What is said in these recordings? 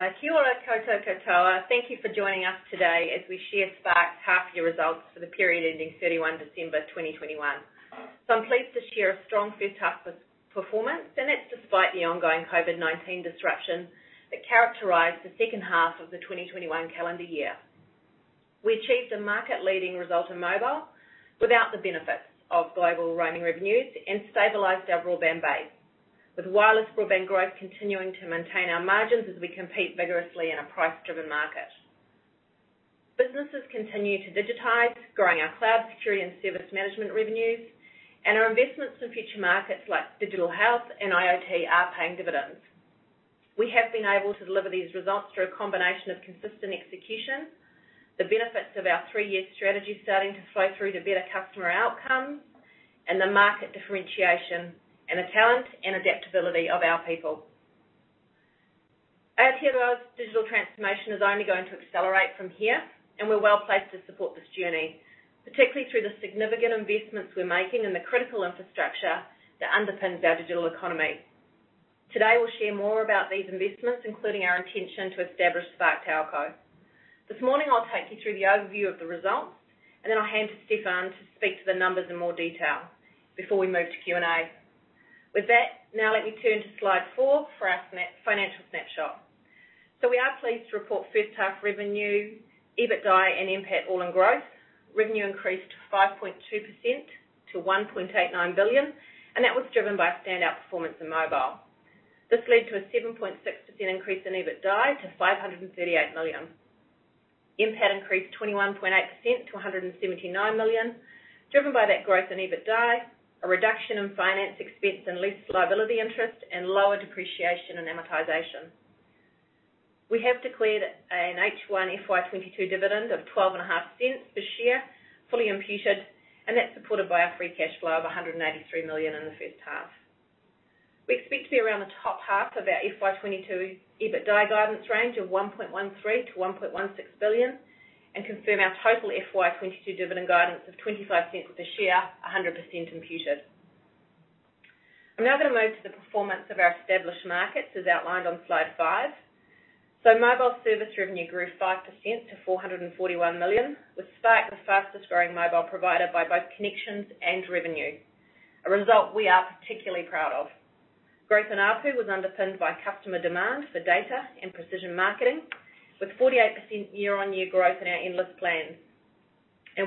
Thank you for joining us today as we share Spark's half year results for the period ending 31 December 2021. I'm pleased to share a strong first half of performance, and it's despite the ongoing COVID-19 disruption that characterized the second half of the 2021 calendar year. We achieved a market-leading result in mobile without the benefits of global roaming revenues and stabilized our broadband base, with wireless broadband growth continuing to maintain our margins as we compete vigorously in a price-driven market. Businesses continue to digitize, growing our cloud security and service management revenues, and our investments in future markets like digital health and IoT are paying dividends. We have been able to deliver these results through a combination of consistent execution, the benefits of our three-year strategy starting to flow through to better customer outcomes, and the market differentiation and the talent and adaptability of our people. Aotearoa's digital transformation is only going to accelerate from here, and we're well placed to support this journey, particularly through the significant investments we're making in the critical infrastructure that underpins our digital economy. Today, we'll share more about these investments, including our intention to establish Spark Telco. This morning, I'll take you through the overview of the results, and then I'll hand to Stefan to speak to the numbers in more detail before we move to Q&A. With that, now let me turn to Slide 4 for our financial snapshot. We are pleased to report first half revenue, EBITDA and NPAT all in growth. Revenue increased 5.2% to 1.89 billion, and that was driven by standout performance in mobile. This led to a 7.6% increase in EBITDA to 538 million. NPAT increased 21.8% to 179 million, driven by that growth in EBITDA, a reduction in finance expense and lease liability interest, and lower depreciation and amortization. We have declared an H1 FY 2022 dividend of 12.5 per share, fully imputed, and that's supported by our free cash flow of 183 million in the first half. We expect to be around the top half of our FY 2022 EBITDA guidance range of 1.13 billion-1.16 billion and confirm our total FY 2022 dividend guidance of 0.25 per share, 100% imputed. I'm now going to move to the performance of our established markets, as outlined on slide five. Mobile service revenue grew 5% to 441 million, with Spark the fastest growing mobile provider by both connections and revenue. A result we are particularly proud of. Growth in ARPU was underpinned by customer demand for data and precision marketing, with 48% year-on-year growth in our Endless plans.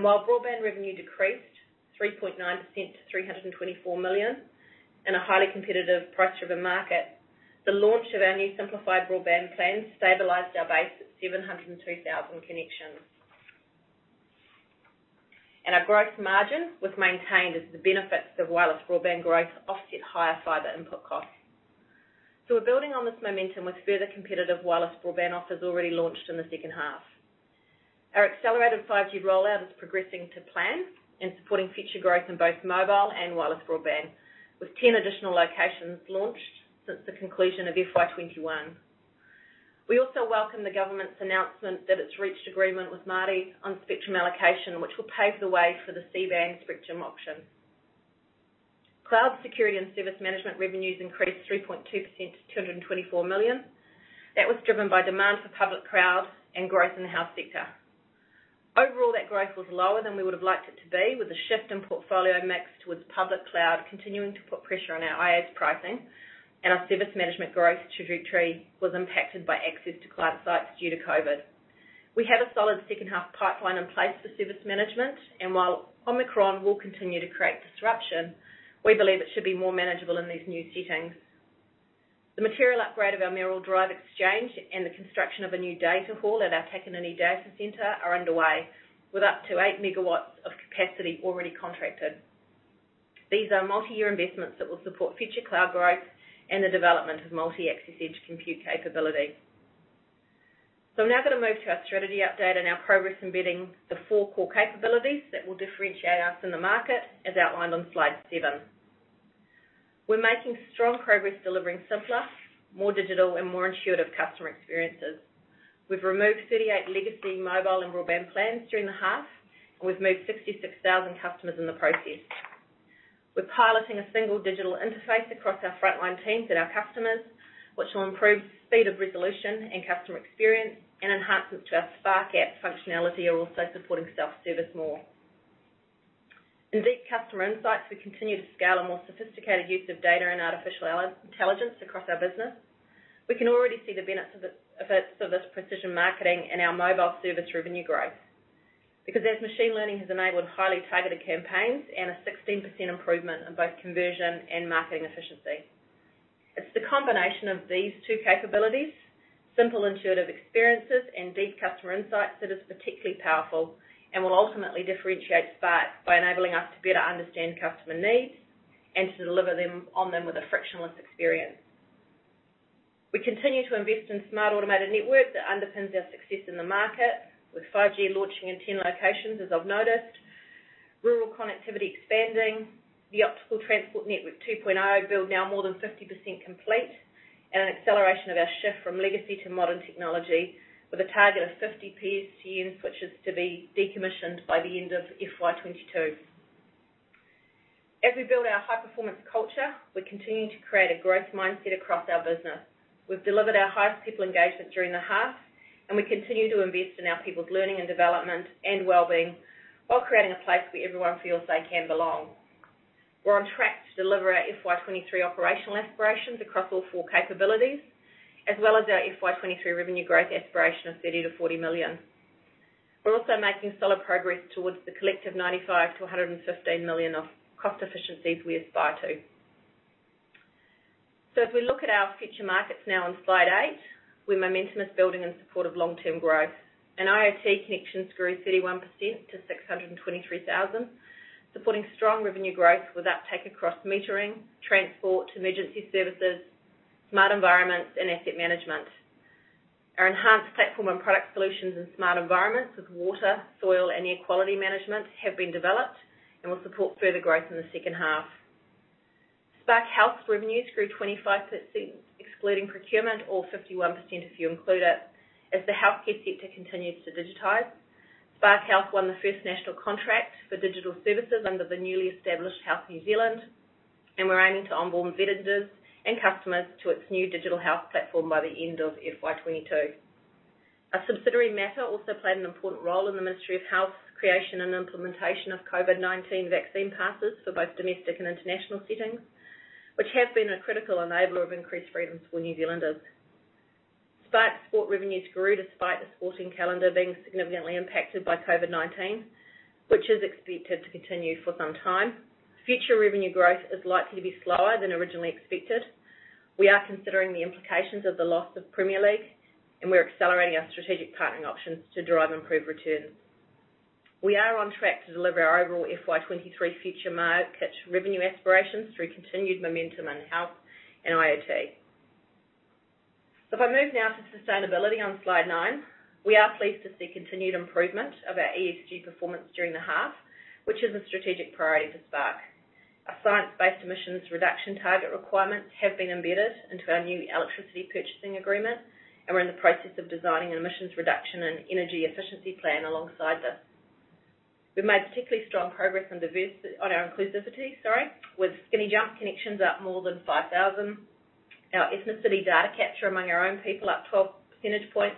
While broadband revenue decreased 3.9% to 324 million in a highly competitive price-driven market, the launch of our new simplified broadband plans stabilized our base at 702,000 connections. Our growth margin was maintained as the benefits of wireless broadband growth offset higher fiber input costs. We're building on this momentum with further competitive wireless broadband offers already launched in the second half. Our accelerated 5G rollout is progressing to plan and supporting future growth in both mobile and wireless broadband, with 10 additional locations launched since the conclusion of FY 2021. We also welcome the government's announcement that it's reached agreement with Māori on spectrum allocation, which will pave the way for the C-band spectrum auction. Cloud security and service management revenues increased 3.2% to 224 million. That was driven by demand for public cloud and growth in the health sector. Overall, that growth was lower than we would have liked it to be, with a shift in portfolio mix towards public cloud continuing to put pressure on our IaaS pricing and our service management growth trajectory was impacted by access to cloud sites due to COVID-19. We have a solid second half pipeline in place for service management, and while Omicron will continue to create disruption, we believe it should be more manageable in these new settings. The material upgrade of our Mayoral Drive exchange and the construction of a new data hall at our Takanini data center are underway, with up to 8 MW of capacity already contracted. These are multi-year investments that will support future cloud growth and the development of multi-access edge compute capability. I'm now gonna move to our strategy update and our progress in building the four core capabilities that will differentiate us in the market, as outlined on Slide 7. We're making strong progress delivering simpler, more digital, and more intuitive customer experiences. We've removed 38 legacy mobile and broadband plans during the half, and we've moved 66,000 customers in the process. We're piloting a single digital interface across our frontline teams and our customers, which will improve speed of resolution and customer experience, and enhancements to our Spark app functionality are also supporting self-service more. In deep customer insights, we continue to scale a more sophisticated use of data and artificial intelligence across our business. We can already see the benefits of this precision marketing in our mobile service revenue growth. Because as machine learning has enabled highly targeted campaigns and a 16% improvement in both conversion and marketing efficiency. It's the combination of these two capabilities, simple intuitive experiences and deep customer insights, that is particularly powerful and will ultimately differentiate Spark by enabling us to better understand customer needs and to deliver on them with a frictionless experience. We continue to invest in smart automated network that underpins our success in the market, with 5G launching in 10 locations, as I've noted. Rural connectivity expanding. The Optical Transport Network 2.0 build now more than 50% complete. An acceleration of our shift from legacy to modern technology with a target of 50 PSTN switches to be decommissioned by the end of FY 2022. As we build our high performance culture, we're continuing to create a growth mindset across our business. We've delivered our highest people engagement during the half, and we continue to invest in our people's learning and development and well-being, while creating a place where everyone feels they can belong. We're on track to deliver our FY 2023 operational aspirations across all four capabilities, as well as our FY 2023 revenue growth aspiration of 30 million-40 million. We're also making solid progress towards the collective 95 million-115 million of cost efficiencies we aspire to. If we look at our future markets now on Slide 8, where momentum is building in support of long-term growth, and IoT connections grew 31% to 623,000, supporting strong revenue growth with uptake across metering, transport, emergency services, smart environments, and asset management. Our enhanced platform and product solutions in smart environments with water, soil, and air quality management have been developed and will support further growth in the second half. Spark Health's revenues grew 25%, excluding procurement, or 51% if you include it, as the healthcare sector continues to digitize. Spark Health won the first national contract for digital services under the newly established Health New Zealand, and we're aiming to onboard vendors and customers to its new digital health platform by the end of FY 2022. A subsidiary Mattr also played an important role in the Ministry of Health's creation and implementation of COVID-19 vaccine passes for both domestic and international settings, which has been a critical enabler of increased freedoms for New Zealanders. Spark Sport revenues grew despite the sporting calendar being significantly impacted by COVID-19, which is expected to continue for some time. Future revenue growth is likely to be slower than originally expected. We are considering the implications of the loss of Premier League, and we're accelerating our strategic partnering options to drive improved returns. We are on track to deliver our overall FY 2023 future market revenue aspirations through continued momentum in Health and IoT. If I move now to sustainability on Slide 9, we are pleased to see continued improvement of our ESG performance during the half, which is a strategic priority for Spark. Our science-based emissions reduction target requirements have been embedded into our new electricity purchasing agreement, and we're in the process of designing an emissions reduction and energy efficiency plan alongside this. We've made particularly strong progress on our inclusivity, sorry, with Skinny Jump connections up more than 5,000. Our ethnicity data capture among our own people up 12 percentage points,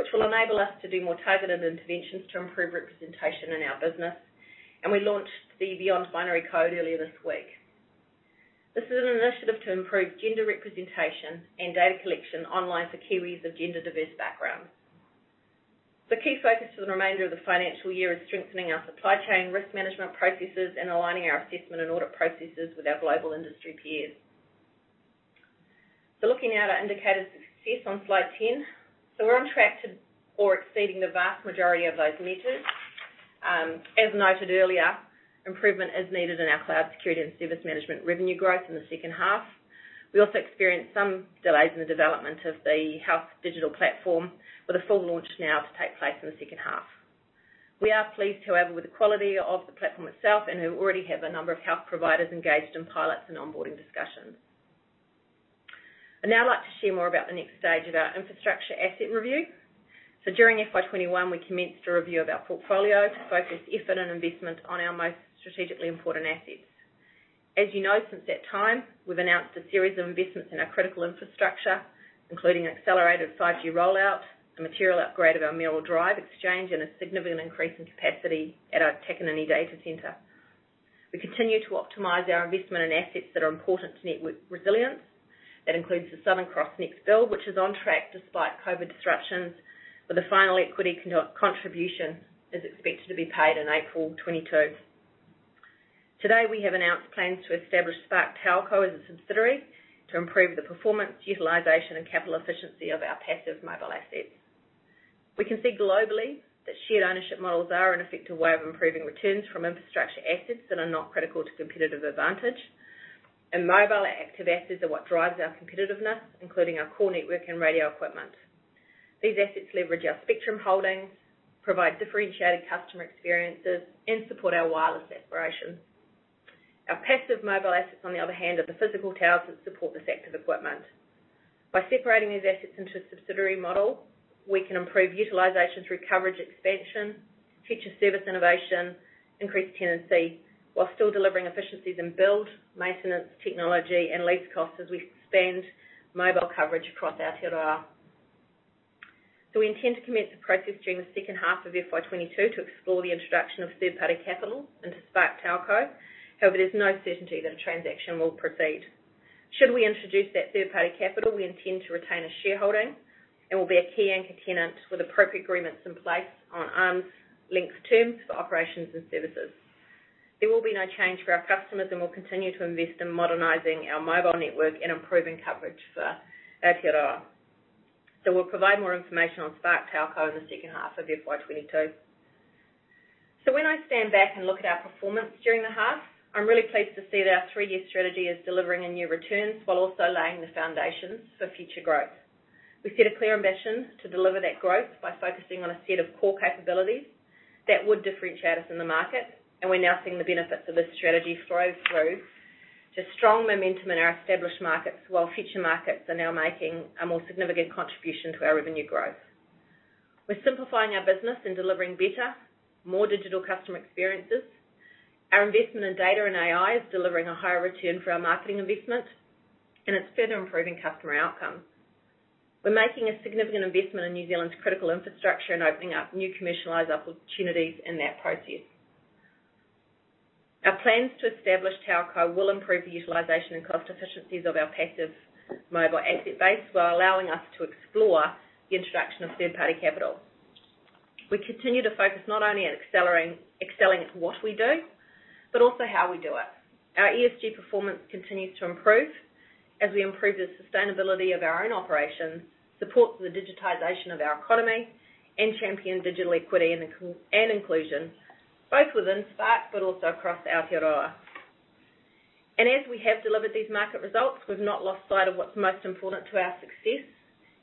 which will enable us to do more targeted interventions to improve representation in our business. We launched the Beyond Binary Code earlier this week. This is an initiative to improve gender representation and data collection online for Kiwis of gender-diverse backgrounds. The key focus for the remainder of the financial year is strengthening our supply chain risk management processes and aligning our assessment and audit processes with our global industry peers. Looking at our indicators of success on Slide 10. We're on track to meet or exceeding the vast majority of those measures. As noted earlier, improvement is needed in our cloud security and service management revenue growth in the second half. We also experienced some delays in the development of the digital health platform with a full launch now to take place in the second half. We are pleased, however, with the quality of the platform itself and we already have a number of health providers engaged in pilots and onboarding discussions. I'd now like to share more about the next stage of our infrastructure asset review. During FY 2021, we commenced a review of our portfolio to focus effort and investment on our most strategically important assets. As you know, since that time, we've announced a series of investments in our critical infrastructure, including an accelerated 5G rollout, a material upgrade of our Mill Road Drive exchange, and a significant increase in capacity at our Takanini data center. We continue to optimize our investment in assets that are important to network resilience. That includes the Southern Cross NEXT build, which is on track despite COVID disruptions, with the final equity contribution expected to be paid in April 2022. Today, we have announced plans to establish Spark TowerCo as a subsidiary to improve the performance, utilization, and capital efficiency of our passive mobile assets. We can see globally that shared ownership models are an effective way of improving returns from infrastructure assets that are not critical to competitive advantage. Mobile active assets are what drives our competitiveness, including our core network and radio equipment. These assets leverage our spectrum holdings, provide differentiated customer experiences, and support our wireless aspirations. Our passive mobile assets, on the other hand, are the physical towers that support this active equipment. By separating these assets into a subsidiary model, we can improve utilization through coverage expansion, future service innovation, increased tenancy, while still delivering efficiencies in build, maintenance, technology, and lease costs as we expand mobile coverage across Aotearoa. We intend to commence the process during the second half of FY 2022 to explore the introduction of third-party capital into Spark TowerCo. However, there's no certainty that a transaction will proceed. Should we introduce that third-party capital, we intend to retain a shareholding and will be a key anchor tenant with appropriate agreements in place on arm's length terms for operations and services. There will be no change for our customers, and we'll continue to invest in modernizing our mobile network and improving coverage for Aotearoa. We'll provide more information on Spark TowerCo in the second half of FY 2022. When I stand back and look at our performance during the half, I'm really pleased to see that our three-year strategy is delivering strong returns while also laying the foundations for future growth. We set a clear ambition to deliver that growth by focusing on a set of core capabilities that would differentiate us in the market, and we're now seeing the benefits of this strategy flow through to strong momentum in our established markets, while future markets are now making a more significant contribution to our revenue growth. We're simplifying our business and delivering better, more digital customer experiences. Our investment in data and AI is delivering a higher return for our marketing investment, and it's further improving customer outcomes. We're making a significant investment in New Zealand's critical infrastructure and opening up new commercialized opportunities in that process. Our plans to establish TowerCo will improve the utilization and cost efficiencies of our passive mobile asset base, while allowing us to explore the introduction of third-party capital. We continue to focus not only on excelling at what we do, but also how we do it. Our ESG performance continues to improve as we improve the sustainability of our own operations, support the digitization of our economy, and champion digital equity and inclusion, both within Spark, but also across Aotearoa. As we have delivered these market results, we've not lost sight of what's most important to our success,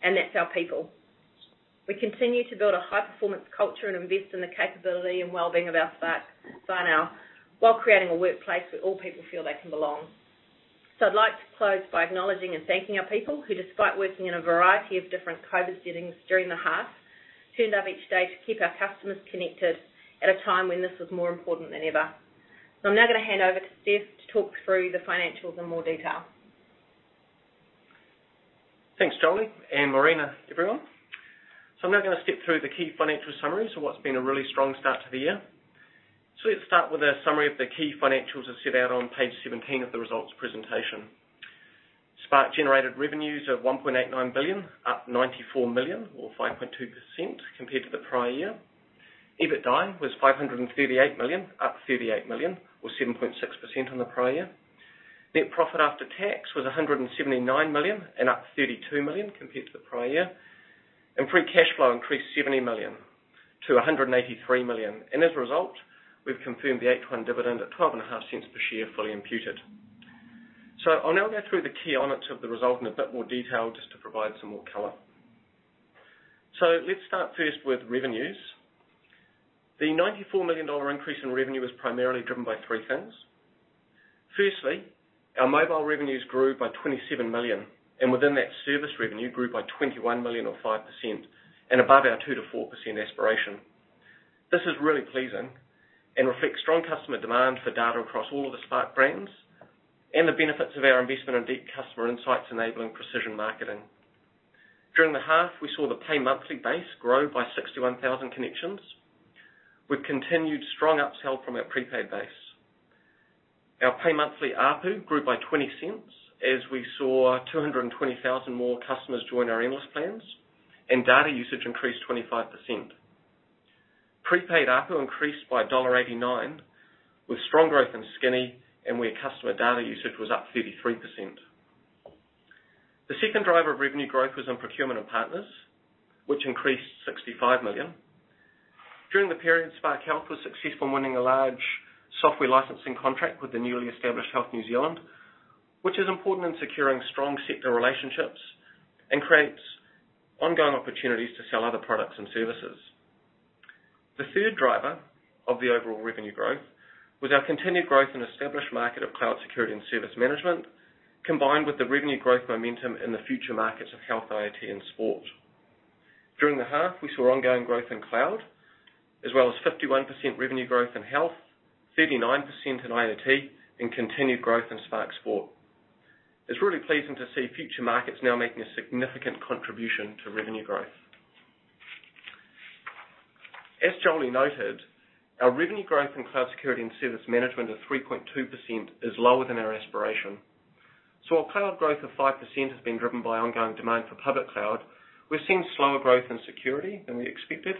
and that's our people. We continue to build a high-performance culture and invest in the capability and well-being of our Spark whānau, while creating a workplace where all people feel they can belong. I'd like to close by acknowledging and thanking our people who, despite working in a variety of different COVID settings during the half, turned up each day to keep our customers connected at a time when this was more important than ever. I'm now gonna hand over to Stef to talk through the financials in more detail. Thanks, Jolie. Morning, everyone. I'm now gonna step through the key financial summary. What's been a really strong start to the year. Let's start with a summary of the key financials as set out on Page 17 of the results presentation. Spark generated revenues of 1.89 billion, up 94 million or 5.2% compared to the prior year. EBITDA was 538 million, up 38 million or 7.6% on the prior year. Net profit after tax was 179 million and up 32 million compared to the prior year. Free cash flow increased 70 million to 183 million. As a result, we've confirmed the H1 dividend at 0.125 per share, fully imputed. I'll now go through the key elements of the result in a bit more detail just to provide some more color. Let's start first with revenues. The 94 million dollar increase in revenue was primarily driven by three things. Firstly, our mobile revenues grew by 27 million, and within that, service revenue grew by 21 million or 5% and above our 2%-4% aspiration. This is really pleasing and reflects strong customer demand for data across all of the Spark brands and the benefits of our investment in deep customer insights enabling precision marketing. During the half, we saw the pay monthly base grow by 61,000 connections. We've continued strong upsell from our prepaid base. Our pay monthly ARPU grew by 0.20 as we saw 220,000 more customers join our Endless plans, and data usage increased 25%. Prepaid ARPU increased by dollar 1.89, with strong growth in Skinny and where customer data usage was up 33%. The second driver of revenue growth was in procurement of partners, which increased 65 million. During the period, Spark Health was successful in winning a large software licensing contract with the newly established Health New Zealand, which is important in securing strong sector relationships and creates ongoing opportunities to sell other products and services. The third driver of the overall revenue growth was our continued growth in established market of cloud security and service management, combined with the revenue growth momentum in the future markets of health, IoT, and sport. During the half, we saw ongoing growth in cloud, as well as 51% revenue growth in health, 39% in IoT, and continued growth in Spark Sport. It's really pleasing to see future markets now making a significant contribution to revenue growth. As Jolie noted, our revenue growth in cloud security and service management of 3.2% is lower than our aspiration. While cloud growth of 5% has been driven by ongoing demand for public cloud, we've seen slower growth in security than we expected,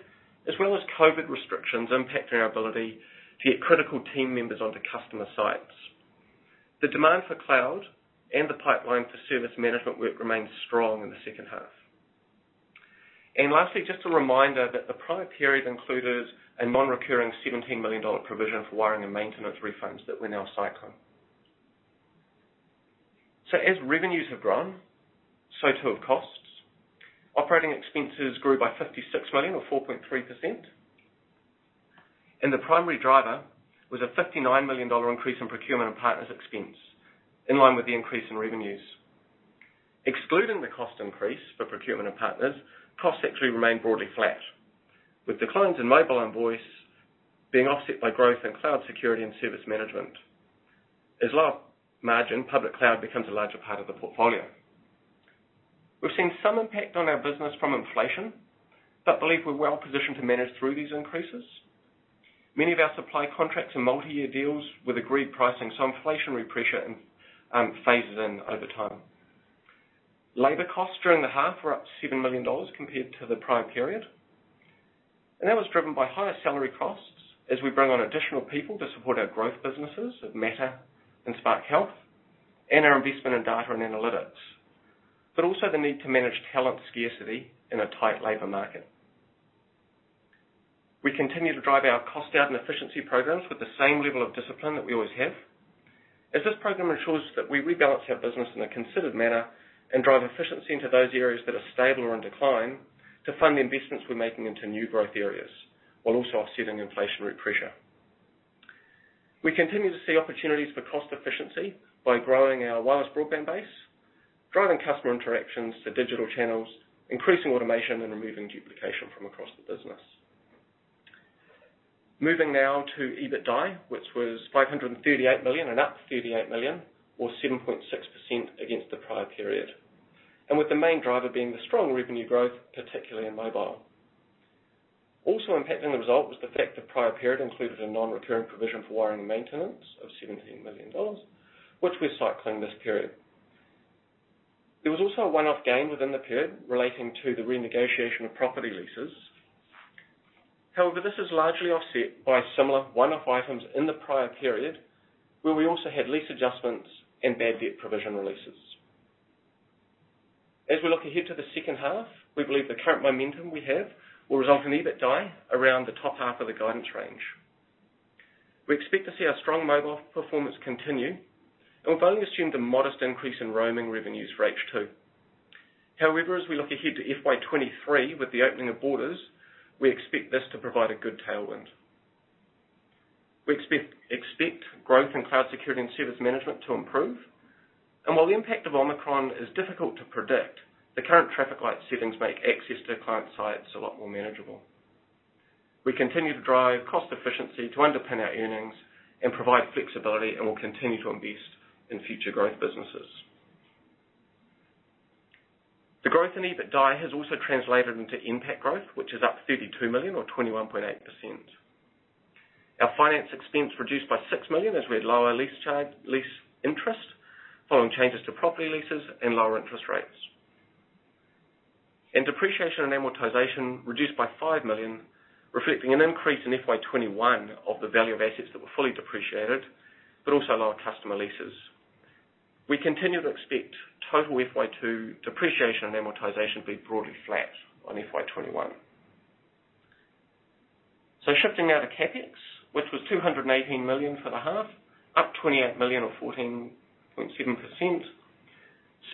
as well as COVID restrictions impacting our ability to get critical team members onto customer sites. The demand for cloud and the pipeline for service management work remains strong in the second half. Lastly, just a reminder that the prior period included a non-recurring 17 million dollar provision for wiring and maintenance refunds that were now cycling. As revenues have grown, so too have costs. Operating expenses grew by 56 million or 4.3%, and the primary driver was a 59 million dollar increase in procurement and partners expense in line with the increase in revenues. Excluding the cost increase for procurement and partners, costs actually remained broadly flat, with declines in mobile and voice being offset by growth in cloud security and service management. As low margin public cloud becomes a larger part of the portfolio, we've seen some impact on our business from inflation, but believe we're well positioned to manage through these increases. Many of our supply contracts are multi-year deals with agreed pricing, so inflationary pressure phases in over time. Labor costs during the half were up 7 million dollars compared to the prior period. That was driven by higher salary costs as we bring on additional people to support our growth businesses at Mattr and Spark Health and our investment in data and analytics, but also the need to manage talent scarcity in a tight labor market. We continue to drive our cost out and efficiency programs with the same level of discipline that we always have, as this program ensures that we rebalance our business in a considered manner and drive efficiency into those areas that are stable or in decline to fund the investments we're making into new growth areas, while also offsetting inflationary pressure. We continue to see opportunities for cost efficiency by growing our wireless broadband base, driving customer interactions to digital channels, increasing automation, and removing duplication from across the business. Moving now to EBITDA, which was 538 million and up 38 million or 7.6% against the prior period, and with the main driver being the strong revenue growth, particularly in mobile. Also impacting the result was the fact the prior period included a non-recurring provision for wiring and maintenance of 17 million dollars, which we're cycling this period. There was also a one-off gain within the period relating to the renegotiation of property leases. However, this is largely offset by similar one-off items in the prior period, where we also had lease adjustments and bad debt provision releases. As we look ahead to the second half, we believe the current momentum we have will result in EBITDA around the top half of the guidance range. We expect to see our strong mobile performance continue, and we've only assumed a modest increase in roaming revenues for H2. However, as we look ahead to FY 2023 with the opening of borders, we expect this to provide a good tailwind. We expect growth in cloud security and service management to improve. While the impact of Omicron is difficult to predict, the current traffic light settings make access to client sites a lot more manageable. We continue to drive cost efficiency to underpin our earnings and provide flexibility, and we'll continue to invest in future growth businesses. The growth in EBITDA has also translated into NPAT growth, which is up 32 million or 21.8%. Our finance expense reduced by 6 million as we had lower lease interest following changes to property leases and lower interest rates. Depreciation and amortization reduced by 5 million, reflecting an increase in FY 2021 of the value of assets that were fully depreciated, but also lower customer leases. We continue to expect total FY 2022 depreciation and amortization to be broadly flat on FY 2021. Shifting now to CapEx, which was 218 million for the half, up 28 million or 14.7%.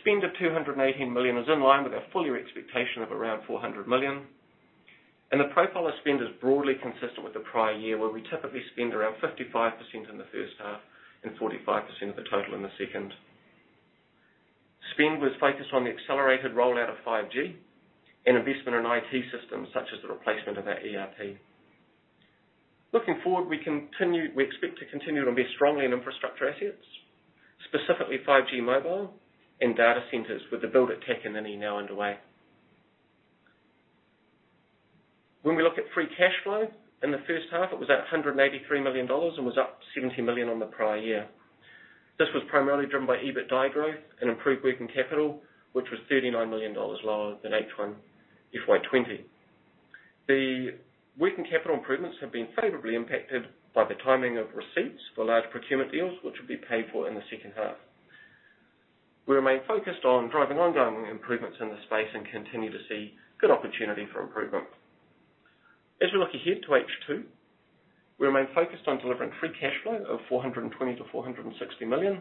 Spend of 218 million is in line with our full year expectation of around 400 million. The profile of spend is broadly consistent with the prior year, where we typically spend around 55% in the first half and 45% of the total in the second. Spend was focused on the accelerated rollout of 5G and investment in IT systems such as the replacement of our ERP. Looking forward, we expect to continue to invest strongly in infrastructure assets, specifically 5G mobile and data centers with the build at Takanini now underway. When we look at free cash flow in the first half, it was at 183 million dollars and was up 70 million on the prior year. This was primarily driven by EBITDA growth and improved working capital, which was 39 million dollars lower than H1 FY 2020. The working capital improvements have been favorably impacted by the timing of receipts for large procurement deals, which will be paid for in the second half. We remain focused on driving ongoing improvements in this space and continue to see good opportunity for improvement. As we look ahead to H2, we remain focused on delivering free cash flow of 420 million-460 million.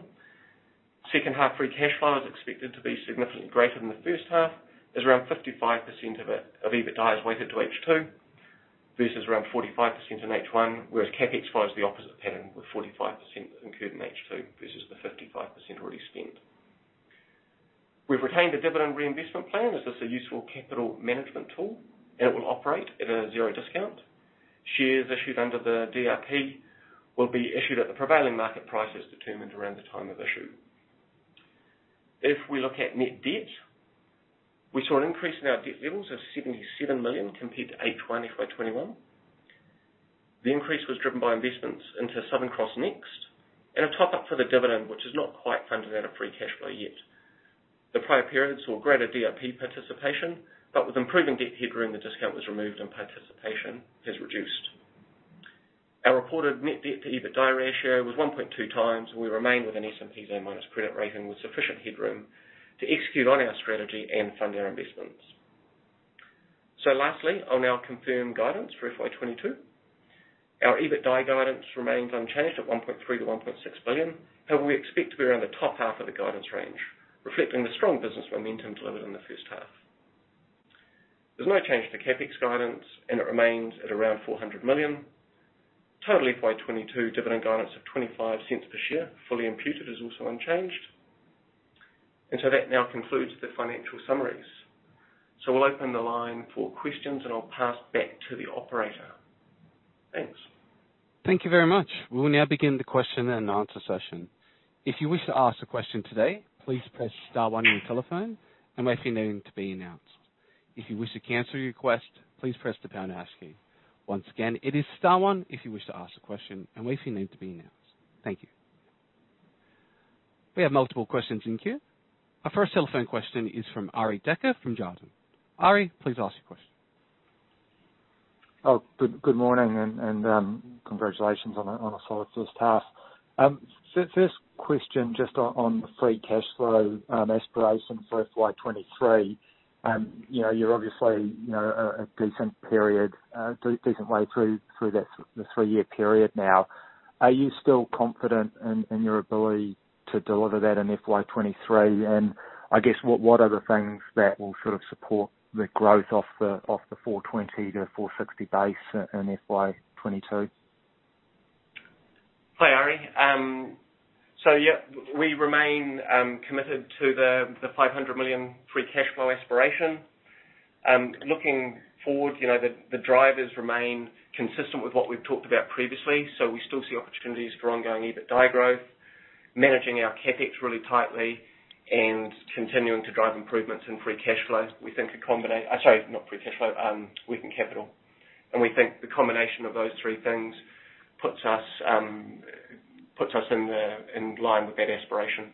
Second half free cash flow is expected to be significantly greater than the first half, as around 55% of EBITDA is weighted to H2 versus around 45% in H1, whereas CapEx follows the opposite pattern with 45% incurred in H2 versus the 55% already spent. We've retained a dividend reinvestment plan as this is a useful capital management tool, and it will operate at a zero discount. Shares issued under the DRP will be issued at the prevailing market price as determined around the time of issue. If we look at net debt, we saw an increase in our debt levels of 77 million compared to H1 FY 2021. The increase was driven by investments into Southern Cross NEXT and a top-up for the dividend, which is not quite funded out of free cash flow yet. The prior period saw greater DRP participation, but with improving debt headroom, the discount was removed and participation has reduced. Our reported net debt to EBITDA ratio was 1.2x, and we remain with an S&P A- credit rating with sufficient headroom to execute on our strategy and fund our investments. Lastly, on our confirmed guidance for FY 2022. Our EBITDA guidance remains unchanged at 1.3 billion-1.6 billion, however, we expect to be around the top half of the guidance range, reflecting the strong business momentum delivered in the first half. There's no change to CapEx guidance, and it remains at around 400 million. Total FY 2022 dividend guidance of 0.25 per share, fully imputed, is also unchanged. That now concludes the financial summaries. We'll open the line for questions, and I'll pass back to the operator. Thanks. Thank you very much. We will now begin the question and answer session. If you wish to ask a question today, please press star one on your telephone and wait for your name to be announced. If you wish to cancel your request, please press the pound hash key. Once again, it is star one if you wish to ask a question and wait for your name to be announced. Thank you. We have multiple questions in queue. Our first telephone question is from Arie Dekker from Jarden. Ari, please ask your question. Good morning and congratulations on a solid first half. First question just on the free cash flow aspirations for FY 2023. You know, you're obviously a decent way through the three-year period now. Are you still confident in your ability to deliver that in FY 2023? I guess what are the things that will sort of support the growth off the 420 million-460 million base in FY 2022? Hi, Ari. Yeah, we remain committed to the 500 million free cash flow aspiration. Looking forward, you know, the drivers remain consistent with what we've talked about previously, so we still see opportunities for ongoing EBITDA growth, managing our CapEx really tightly, and continuing to drive improvements in free cash flow. We think a combination. I'm sorry, not free cash flow, working capital. We think the combination of those three things puts us in line with that aspiration.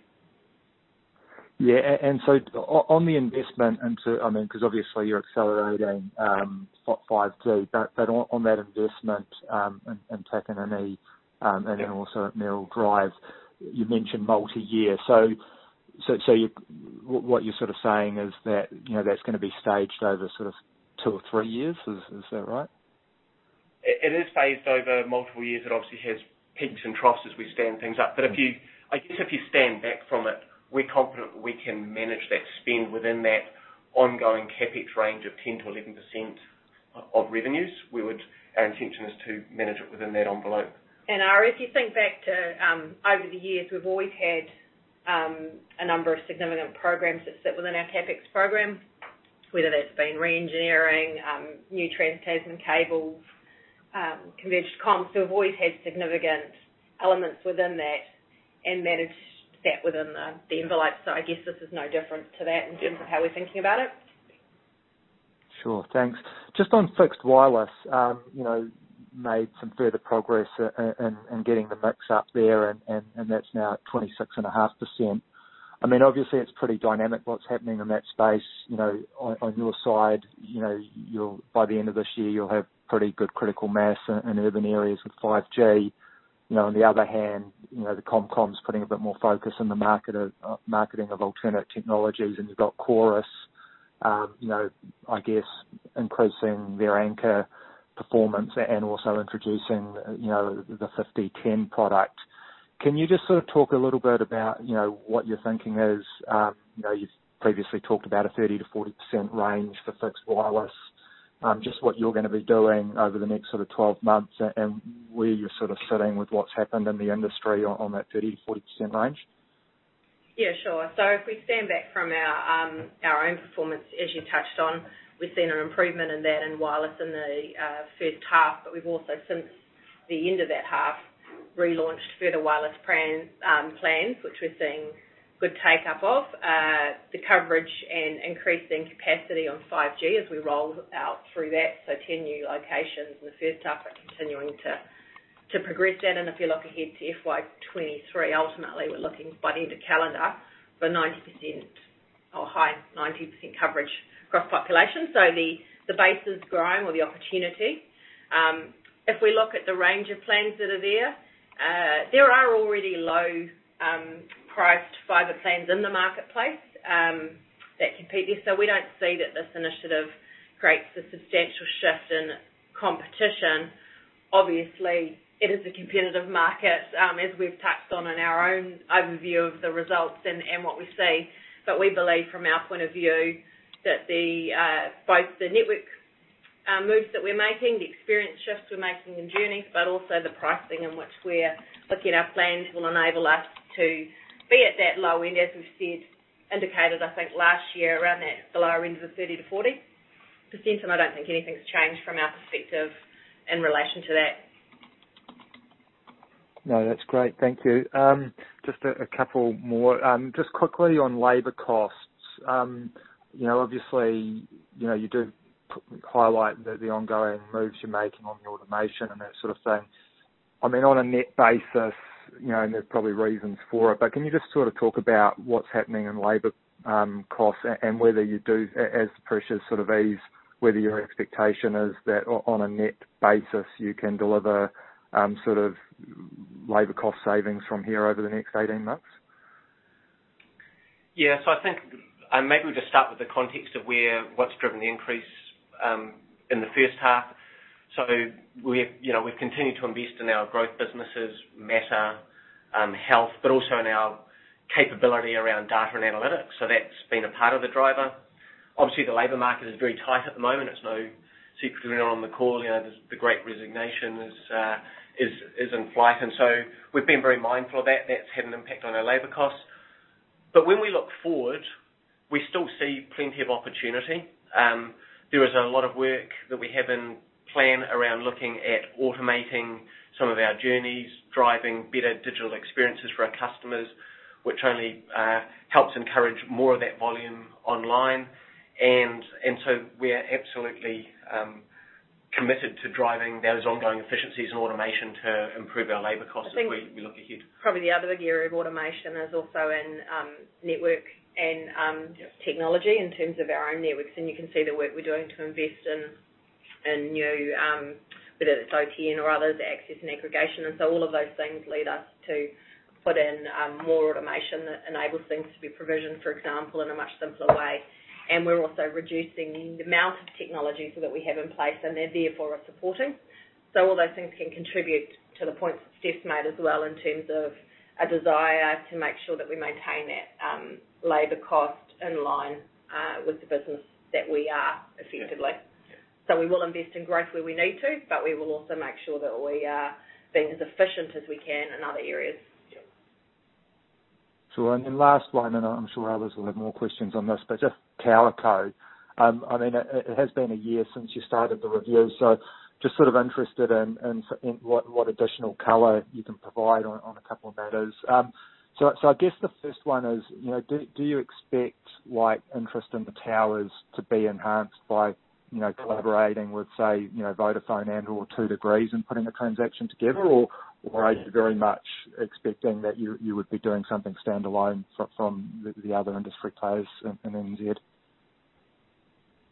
On the investment into, I mean, 'cause obviously you're accelerating 5G, but on that investment in Takanini and then also at Mayoral Drive, you mentioned multi-year. What you're sort of saying is that, you know, that's gonna be staged over sort of two or three years. Is that right? It is phased over multiple years. It obviously has peaks and troughs as we stand things up. I guess if you stand back from it, we're confident we can manage that spend within that ongoing CapEx range of 10%-11% of revenues. Our intention is to manage it within that envelope. Ari, if you think back to over the years, we've always had a number of significant programs that sit within our CapEx program, whether that's been re-engineering new trans-Tasman cables, converged comms. We've always had significant elements within that and managed that within the envelope. I guess this is no different to that in terms of how we're thinking about it. Sure. Thanks. Just on fixed wireless, made some further progress in getting the mix up there and that's now at 26.5%. I mean, obviously it's pretty dynamic what's happening in that space, on your side. By the end of this year, you'll have pretty good critical mass in urban areas with 5G. On the other hand, the ComCom's putting a bit more focus on the marketing of alternate technologies, and you've got Chorus, I guess, increasing their anchor performance and also introducing the 50/10 product. Can you just sort of talk a little bit about what your thinking is? You've previously talked about a 30%-40% range for fixed wireless. Just what you're gonna be doing over the next sort of 12 months and where you're sort of sitting with what's happened in the industry on that 30%-40% range. Yeah, sure. If we stand back from our own performance, as you touched on, we've seen an improvement in that in wireless in the first half. We've also, since the end of that half, relaunched further wireless plans, which we're seeing good take-up of, the coverage and increasing capacity on 5G as we roll out through that. 10 new locations in the first half. We're continuing to progress that. If you look ahead to FY 2023, ultimately, we're looking by the end of calendar for 90% or high 90% coverage across population. The base is growing or the opportunity. If we look at the range of plans that are there are already low priced fiber plans in the marketplace that compete there. We don't see that this initiative creates a substantial shift in competition. Obviously, it is a competitive market, as we've touched on in our own overview of the results and what we see. We believe from our point of view, that the both the network moves that we're making, the experience shifts we're making in journeys, but also the pricing in which we're looking at plans will enable us to be at that low end, as we've said, indicated, I think last year, around that, the lower end of the 30%-40%, and I don't think anything's changed from our perspective in relation to that. No, that's great. Thank you. Just a couple more. Just quickly on labor costs, you know, obviously, you know, you do highlight the ongoing moves you're making on the automation and that sort of thing. I mean, on a net basis, you know, and there's probably reasons for it, but can you just sort of talk about what's happening in labor costs and whether, as pressures sort of ease, whether your expectation is that on a net basis, you can deliver sort of labor cost savings from here over the next 18 months? Yeah. I think, and maybe we'll just start with the context of what's driven the increase in the first half. We've, you know, we've continued to invest in our growth businesses, Mattr, Health, but also in our capability around data and analytics. That's been a part of the driver. Obviously, the labor market is very tight at the moment. It's no secret anyone on the call. You know, the great resignation is in flight, and we've been very mindful of that. That's had an impact on our labor costs. When we look forward, we still see plenty of opportunity. There is a lot of work that we have in plan around looking at automating some of our journeys, driving better digital experiences for our customers, which only helps encourage more of that volume online. We are absolutely committed to driving those ongoing efficiencies and automation to improve our labor costs as we look ahead. Probably the other big area of automation is also in network and technology in terms of our own networks. You can see the work we're doing to invest in new whether it's OTN or others, access and aggregation. All of those things lead us to put in more automation that enables things to be provisioned, for example, in a much simpler way. We're also reducing the amount of technology so that we have in place, and they're there for us supporting. All those things can contribute to the points that Stef made as well in terms of a desire to make sure that we maintain that labor cost in line with the business that we are effectively. We will invest in growth where we need to, but we will also make sure that we are being as efficient as we can in other areas. Sure. Last one, and I'm sure others will have more questions on this, but just TowerCo. I mean, it has been a year since you started the review, so just sort of interested in what additional color you can provide on a couple of matters. So I guess the first one is, you know, do you expect, like, interest in the towers to be enhanced by, you know, collaborating with, say, you know, Vodafone and/or 2degrees in putting a transaction together? Or are you very much expecting that you would be doing something standalone from the other industry players in NZ?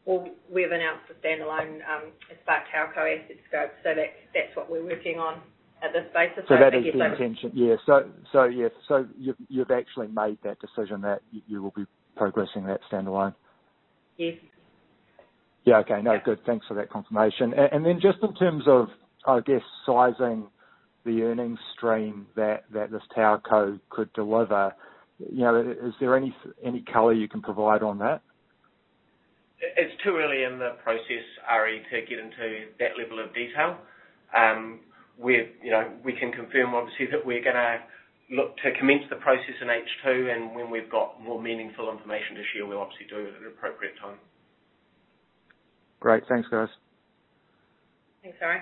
Well, we have announced a standalone Spark TowerCo asset scope, so that's what we're working on at this stage. That is the intention. Yes. Yeah. So you've actually made that decision that you will be progressing that standalone? Yes. Yeah. Okay. No, good. Thanks for that confirmation. And then just in terms of, I guess, sizing the earnings stream that this TowerCo could deliver, you know, is there any color you can provide on that? It's too early in the process, Ari, to get into that level of detail. You know, we can confirm obviously that we're gonna look to commence the process in H2, and when we've got more meaningful information to share, we'll obviously do it at an appropriate time. Great. Thanks, guys. Thanks, Ari.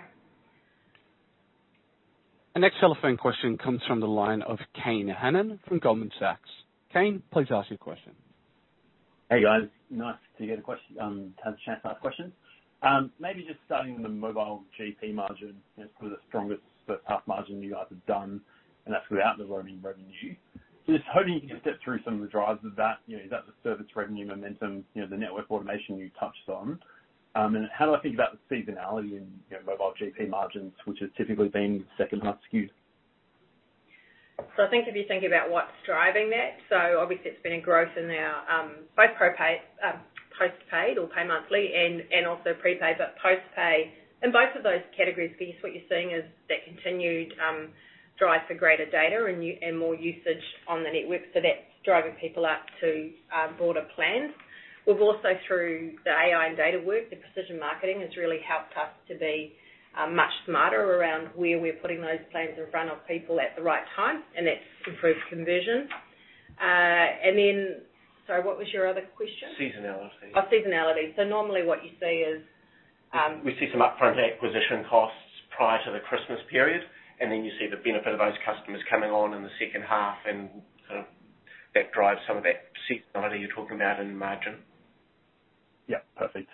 Our next telephone question comes from the line of Kane Hannan from Goldman Sachs. Kane, please ask your question. Hey, guys. Nice to have the chance to ask questions. Maybe just starting with the mobile GP margin. It's probably the strongest half margin you guys have done and that's without the roaming revenue. Just hoping you can step through some of the drivers of that. You know, is that the service revenue momentum? You know, the network automation you touched on. How do I think about the seasonality in, you know, mobile GP margins, which has typically been second half skewed? I think if you think about what's driving that, obviously it's been a growth in our both post-paid or pay monthly and also prepaid. Post-paid, in both of those categories, I guess what you're seeing is that continued drive for greater data and more usage on the network. That's driving people up to broader plans. We've also, through the AI and data work, the precision marketing has really helped us to be much smarter around where we're putting those plans in front of people at the right time, and that's improved conversion. Sorry, what was your other question? Seasonality. Oh, seasonality. Normally what you see is. We see some upfront acquisition costs prior to the Christmas period, and then you see the benefit of those customers coming on in the second half and sort of that drives some of that seasonality you're talking about in the margin. Perfect.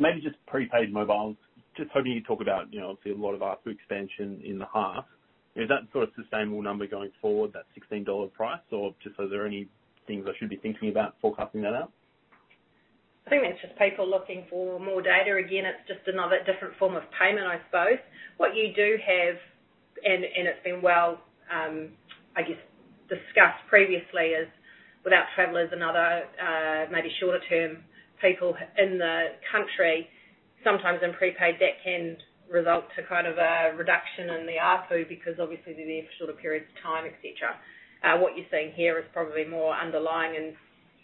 Maybe just prepaid mobile. Just hoping you could talk about, you know, obviously a lot of ARPU expansion in the half. Is that sort of sustainable number going forward, that 16 dollar price, or just are there any things I should be thinking about forecasting that out? I think that's just people looking for more data. Again, it's just another different form of payment, I suppose. What you do have, and it's been well, I guess, discussed previously, is without travelers and other, maybe shorter term people in the country, sometimes in prepaid, that can result in kind of a reduction in the ARPU because obviously they're there for shorter periods of time, et cetera. What you're seeing here is probably more underlying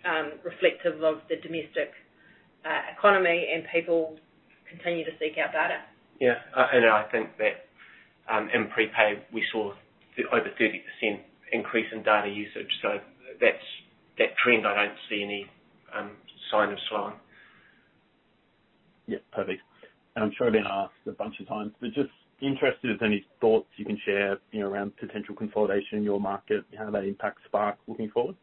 and reflective of the domestic economy and people continue to seek out data. I think that in prepaid we saw over 30% increase in data usage. That's that trend I don't see any sign of slowing. Yeah. Perfect. I'm sure you've been asked a bunch of times, but I'm just interested if there's any thoughts you can share, you know, around potential consolidation in your market, how that impacts Spark looking forward.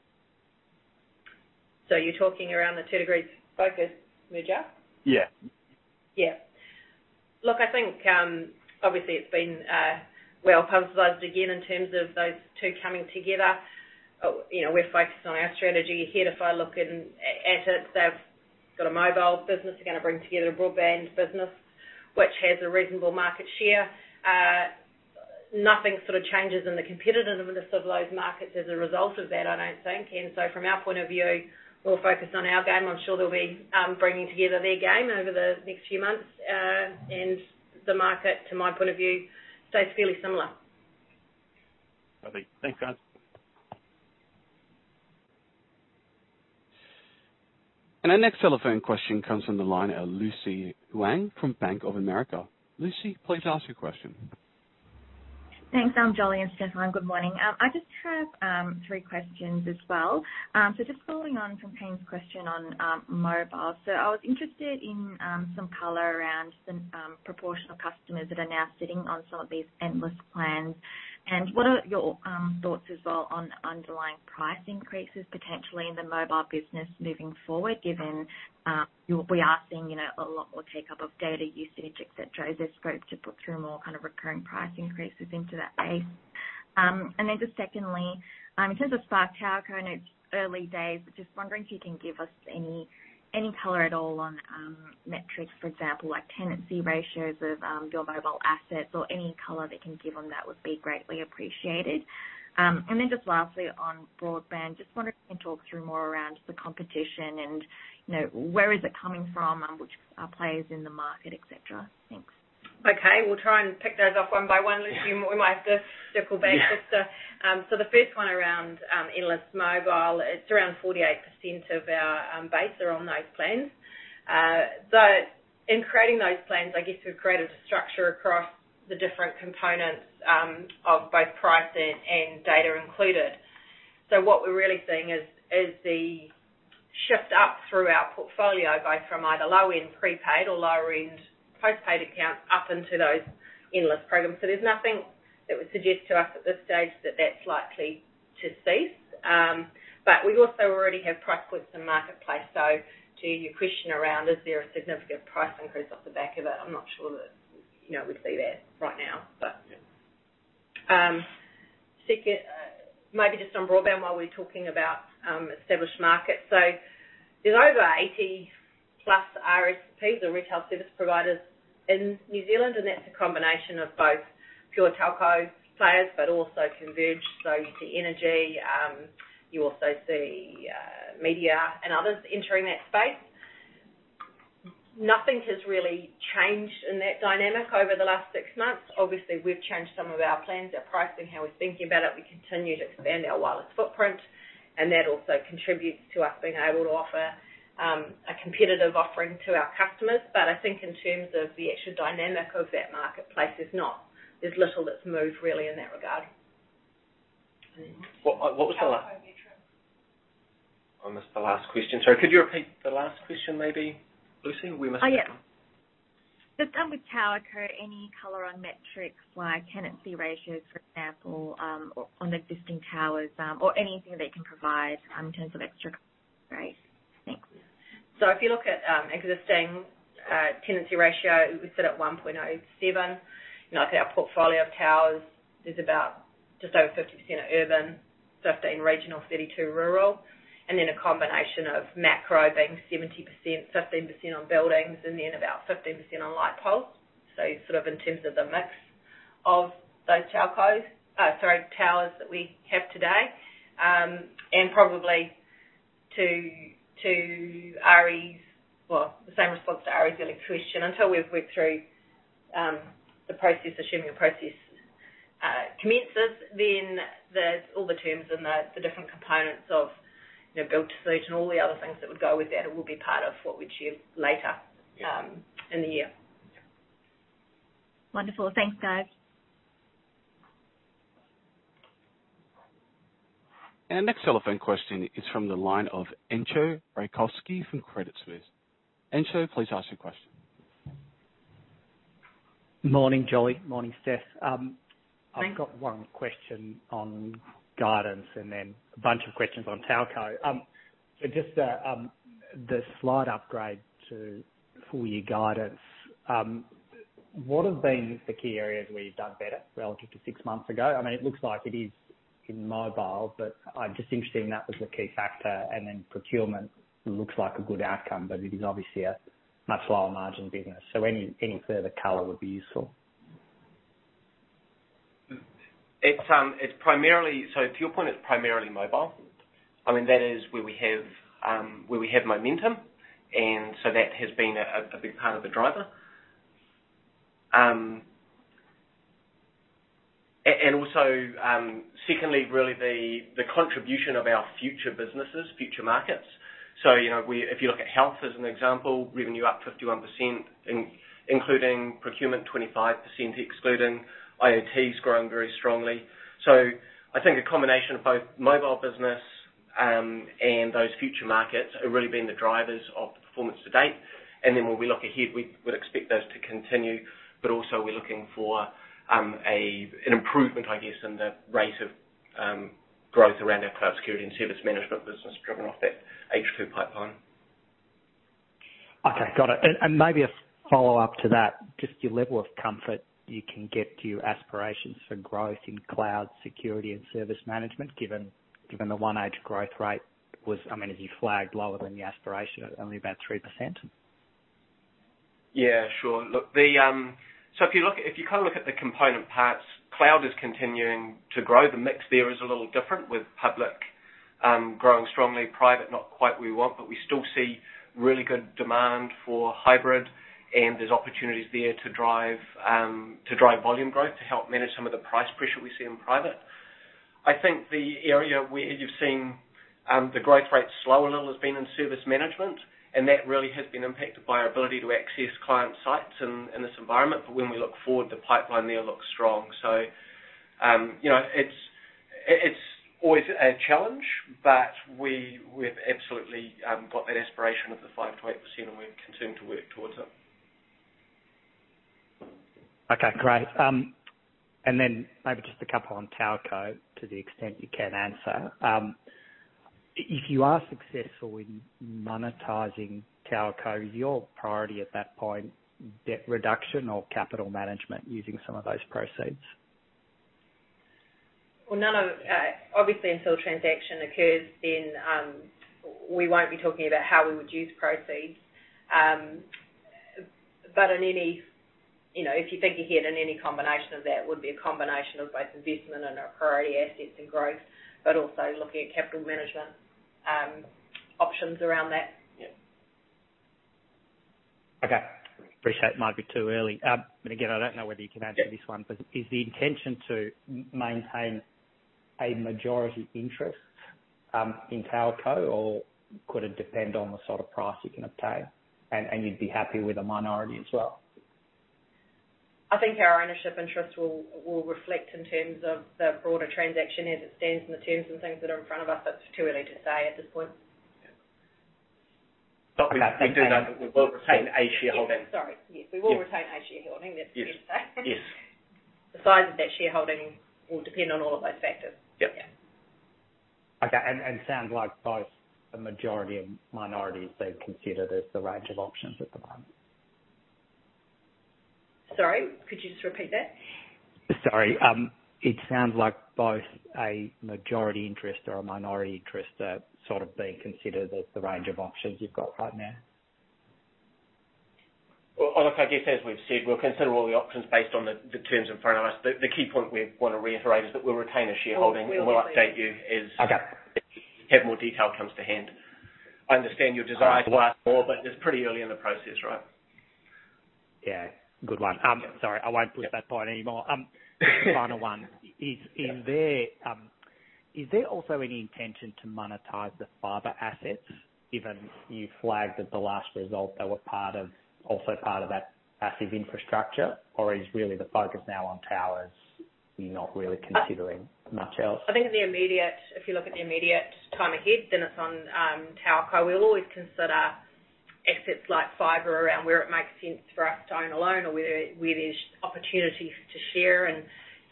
You're talking about the 2degrees Vocus merger? Yeah. Yeah. Look, I think, obviously it's been well publicized again in terms of those two coming together. You know, we're focused on our strategy here. If I look at it, they've got a mobile business. They're gonna bring together a broadband business, which has a reasonable market share. Nothing sort of changes in the competitiveness of those markets as a result of that, I don't think. From our point of view, we'll focus on our game. I'm sure they'll be bringing together their game over the next few months. The market, to my point of view, stays fairly similar. Perfect. Thanks, guys. Our next telephone question comes from the line of Lucy Wang from Bank of America. Lucy, please ask your question. Thanks. I'm joining instead of him. Good morning. I just have three questions as well. Just following on from Kane's question on mobile. I was interested in some color around some proportion of customers that are now sitting on some of these Endless plans. What are your thoughts as well on underlying price increases potentially in the mobile business moving forward, given we are seeing, you know, a lot more take up of data usage, et cetera. Is there scope to put through more kind of recurring price increases into that base? Just secondly, in terms of Spark TowerCo, I know it's early days, but just wondering if you can give us any color at all on metrics, for example, like tenancy ratios of your mobile assets or any color that you can give on that would be greatly appreciated. Just lastly, on broadband, just wondering if you can talk through more around the competition and, you know, where is it coming from, which players in the market, et cetera. Thanks. Okay, we'll try and pick those off one by one. Lucy, you might have to circle back faster. The first one around endless mobile, it's around 48% of our base are on those plans. In creating those plans, I guess we've created a structure across the different components of both pricing and data included. What we're really seeing is the shift up through our portfolio base from either low-end prepaid or lower-end postpaid accounts up into those endless programs. There's nothing that would suggest to us at this stage that that's likely to cease. We also already have price points in the marketplace. To your question around is there a significant price increase off the back of it, I'm not sure that, you know, we'd see that right now. Maybe just on broadband while we're talking about established markets. There's over 80+ ISPs or retail service providers in New Zealand, and that's a combination of both pure telco players, but also converged. You see energy, you also see media and others entering that space. Nothing has really changed in that dynamic over the last six months. Obviously, we've changed some of our plans, our pricing, how we're thinking about it. We continue to expand our wireless footprint, and that also contributes to us being able to offer a competitive offering to our customers. I think in terms of the actual dynamic of that marketplace, there's not. There's little that's moved really in that regard. What was the last? Telco metrics. I missed the last question. Sorry. Could you repeat the last question maybe, Lucy? We must have- Oh, yeah. Just with TowerCo, any color on metrics like tenancy ratios, for example, on existing towers, or anything that you can provide, in terms of extra guidance. Thanks. If you look at existing tenancy ratio, it was set at 1.07. You know, I think our portfolio of towers is about just over 50% urban, 15% regional, 32% rural, and then a combination of macro being 70%, 15% on buildings, and then about 15% on light poles. Sort of in terms of the mix of those telcos, sorry, towers that we have today. Probably to Ari's. Well, the same response to Ari's earlier question. Until we've worked through the process, assuming a process commences, then there's all the terms and the different components of, you know, build to suit and all the other things that would go with that. It will be part of what we achieve later in the year. Wonderful. Thanks, guys. Our next telephone question is from the line of Entcho Raykovski from Credit Suisse. Entcho, please ask your question. Morning, Jolie. Morning, Stef. Hi I've got one question on guidance and then a bunch of questions on TowerCo. The slight upgrade to full year guidance. What have been the key areas where you've done better relative to six months ago? I mean, it looks like it is in mobile, but I'm just interested in that as a key factor. Procurement looks like a good outcome, but it is obviously a much lower margin business. Any further color would be useful. It's primarily to your point, it's primarily mobile. I mean, that is where we have momentum. That has been a big part of the driver. And also, secondly, really the contribution of our future businesses, future markets. You know, we. If you look at health as an example, revenue up 51% including procurement, 25% excluding. IoT has grown very strongly. I think a combination of both mobile business and those future markets have really been the drivers of the performance to date. Then when we look ahead, we would expect those to continue. Also we're looking for an improvement, I guess, in the rate of growth around our cloud security and service management business driven off that H2 pipeline. Okay, got it. Maybe a follow-up to that, just your level of comfort you can get to your aspirations for growth in cloud security and service management, given the 1H growth rate was, I mean, as you flagged, lower than the aspiration at only about 3%. Yeah, sure. Look, if you kind of look at the component parts, cloud is continuing to grow. The mix there is a little different, with public growing strongly, private not quite we want. We still see really good demand for hybrid, and there's opportunities there to drive volume growth to help manage some of the price pressure we see in private. I think the area where you've seen the growth rate slow a little has been in service management, and that really has been impacted by our ability to access client sites in this environment. When we look forward, the pipeline there looks strong. You know, it's always a challenge, but we've absolutely got that aspiration of the 5%-8%, and we're continuing to work towards it. Okay, great. Maybe just a couple on TowerCo, to the extent you can answer. If you are successful in monetizing TowerCo, is your priority at that point debt reduction or capital management using some of those proceeds? Obviously, until transaction occurs, then we won't be talking about how we would use proceeds. In any, you know, if you're thinking ahead in any combination of that would be a combination of both investment and our priority assets and growth, but also looking at capital management options around that. Yeah. Okay. I appreciate it might be too early. Again, I don't know whether you can answer this one. Yeah. Is the intention to maintain a majority interest in TowerCo, or could it depend on the sort of price you can obtain and you'd be happy with a minority as well? I think our ownership interest will reflect in terms of the broader transaction as it stands and the terms and things that are in front of us. It's too early to say at this point. Yeah. Okay. We do know that we will retain a shareholding. Sorry. Yes. Yes. We will retain a shareholding. That's fair to say. Yes. Yes. The size of that shareholding will depend on all of those factors. Yep. Yeah. Okay. Sounds like both a majority and minority are being considered as the range of options at the moment. Sorry, could you just repeat that? Sorry. It sounds like both a majority interest or a minority interest are sort of being considered as the range of options you've got right now. Well, look, I guess as we've said, we'll consider all the options based on the terms in front of us. The key point we wanna reiterate is that we'll retain a shareholding. We'll retain. We'll update you as Okay. As more detail comes to hand. I understand your desire to learn more, but it's pretty early in the process, right? Yeah. Good one. Sorry, I won't push that point anymore. Final one. Yeah. Is there also any intention to monetize the fiber assets given you flagged at the last result they were also part of that massive infrastructure? Or is really the focus now on towers, you're not really considering much else? I think if you look at the immediate time ahead, then it's on TowerCo. We'll always consider assets like fiber around where it makes sense for us to own alone or where there's opportunities to share.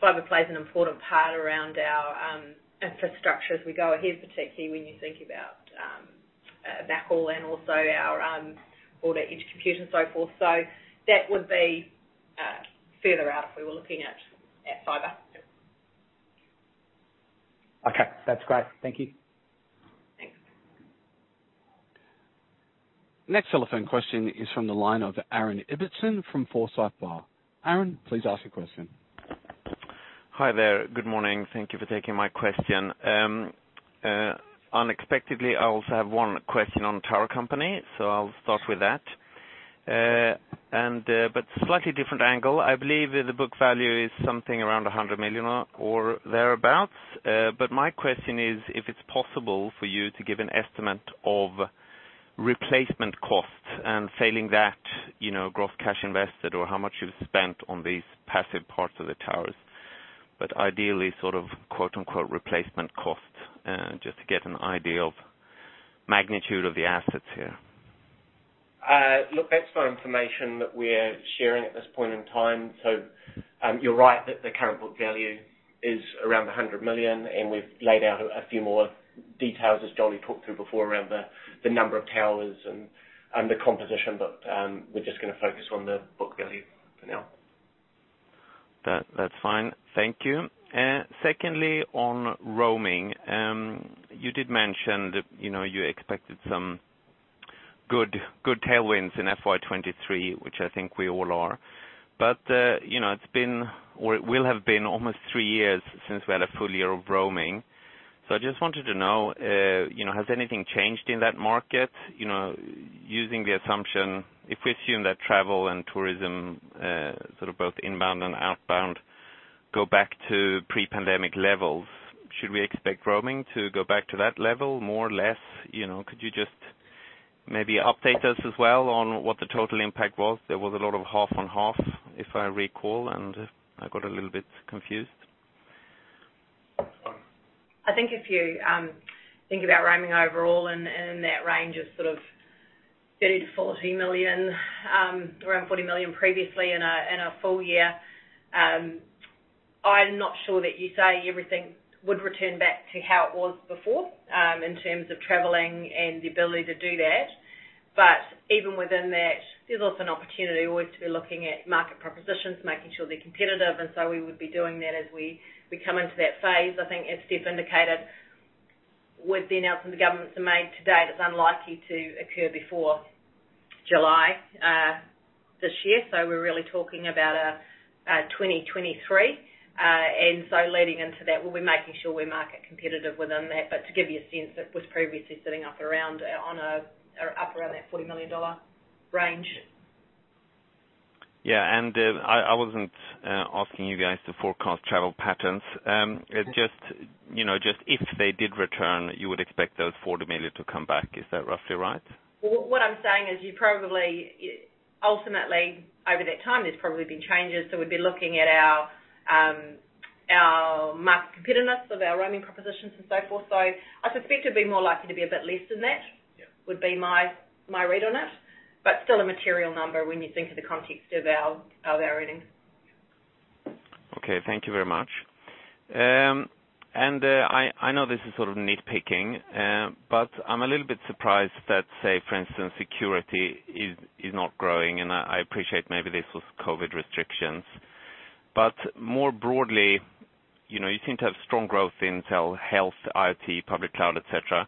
Fiber plays an important part around our infrastructure as we go ahead, particularly when you think about backhaul and also our border interconnect and so forth. That would be further out if we were looking at fiber. Yeah. Okay. That's great. Thank you. Thanks. Next telephone question is from the line of Aaron Ibbotson from Forsyth Barr. Aaron, please ask your question. Hi there. Good morning. Thank you for taking my question. Unexpectedly, I also have one question on TowerCo, so I'll start with that. But slightly different angle. I believe the book value is something around 100 million or thereabout. But my question is if it's possible for you to give an estimate of replacement costs. Failing that, you know, gross cash invested or how much you've spent on these passive parts of the towers. But ideally, "replacement costs" just to get an idea of magnitude of the assets here. Look, that's not information that we're sharing at this point in time. You're right that the current book value is around 100 million, and we've laid out a few more details, as Jolie talked through before, around the number of towers and the composition. We're just gonna focus on the book value for now. That, that's fine. Thank you. Secondly, on roaming. You did mention that, you know, you expected some good tailwinds in FY 2023, which I think we all are. It's been, or it will have been almost three years since we had a full year of roaming. So I just wanted to know, you know, has anything changed in that market? You know, using the assumption, if we assume that travel and tourism, sort of both inbound and outbound, go back to pre-pandemic levels, should we expect roaming to go back to that level, more, less? You know, could you just maybe update us as well on what the total impact was? There was a lot of half on half, if I recall, and I got a little bit confused. I think if you think about roaming overall and that range of sort of 30 million-40 million, around 40 million previously in a full year, I'm not sure that you'd say everything would return back to how it was before, in terms of traveling and the ability to do that. Even within that, there's also an opportunity always to be looking at market propositions, making sure they're competitive. We would be doing that as we come into that phase. I think as Steve indicated, with the announcements the governments have made to date, it's unlikely to occur before July this year, so we're really talking about 2023. Leading into that, we'll be making sure we're market competitive within that. To give you a sense, it was previously sitting up around that 40 million dollar range. Yeah. I wasn't asking you guys to forecast travel patterns. Just, you know, just if they did return, you would expect those 40 million to come back. Is that roughly right? What I'm saying is you probably ultimately, over that time, there's probably been changes, so we'd be looking at our market competitiveness of our roaming propositions and so forth. I suspect it'd be more likely to be a bit less than that. Yeah. Would be my read on it. Still a material number when you think of the context of our earnings. Yeah. Okay. Thank you very much. I know this is sort of nitpicking, but I'm a little bit surprised that say, for instance, security is not growing. I appreciate maybe this was COVID restrictions. More broadly, you know, you seem to have strong growth in tel, health, IoT, public cloud, et cetera.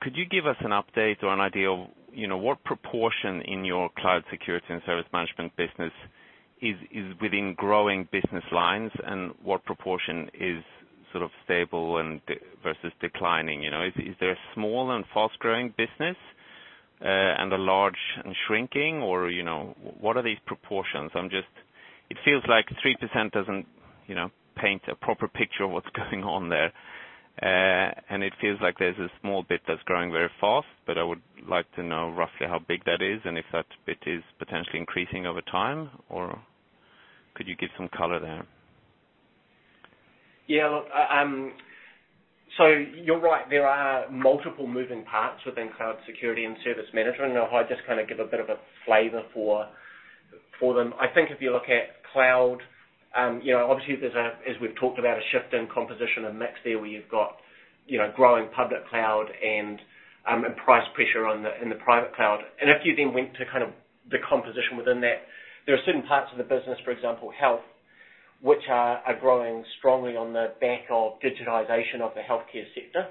Could you give us an update or an idea of, you know, what proportion in your cloud security and service management business is within growing business lines and what proportion is sort of stable versus declining, you know? Is there a small and fast-growing business, and a large and shrinking or, you know, what are these proportions? It feels like 3% doesn't, you know, paint a proper picture of what's going on there. It feels like there's a small bit that's growing very fast, but I would like to know roughly how big that is and if that bit is potentially increasing over time, or could you give some color there? Yeah. Look, you're right. There are multiple moving parts within cloud security and service management. I'll just kind of give a bit of a flavor for them. I think if you look at cloud, you know, obviously, there's, as we've talked about, a shift in composition and mix there, where you've got, you know, growing public cloud and price pressure in the private cloud. If you then went to kind of the composition within that, there are certain parts of the business, for example, Health, which are growing strongly on the back of digitization of the healthcare sector.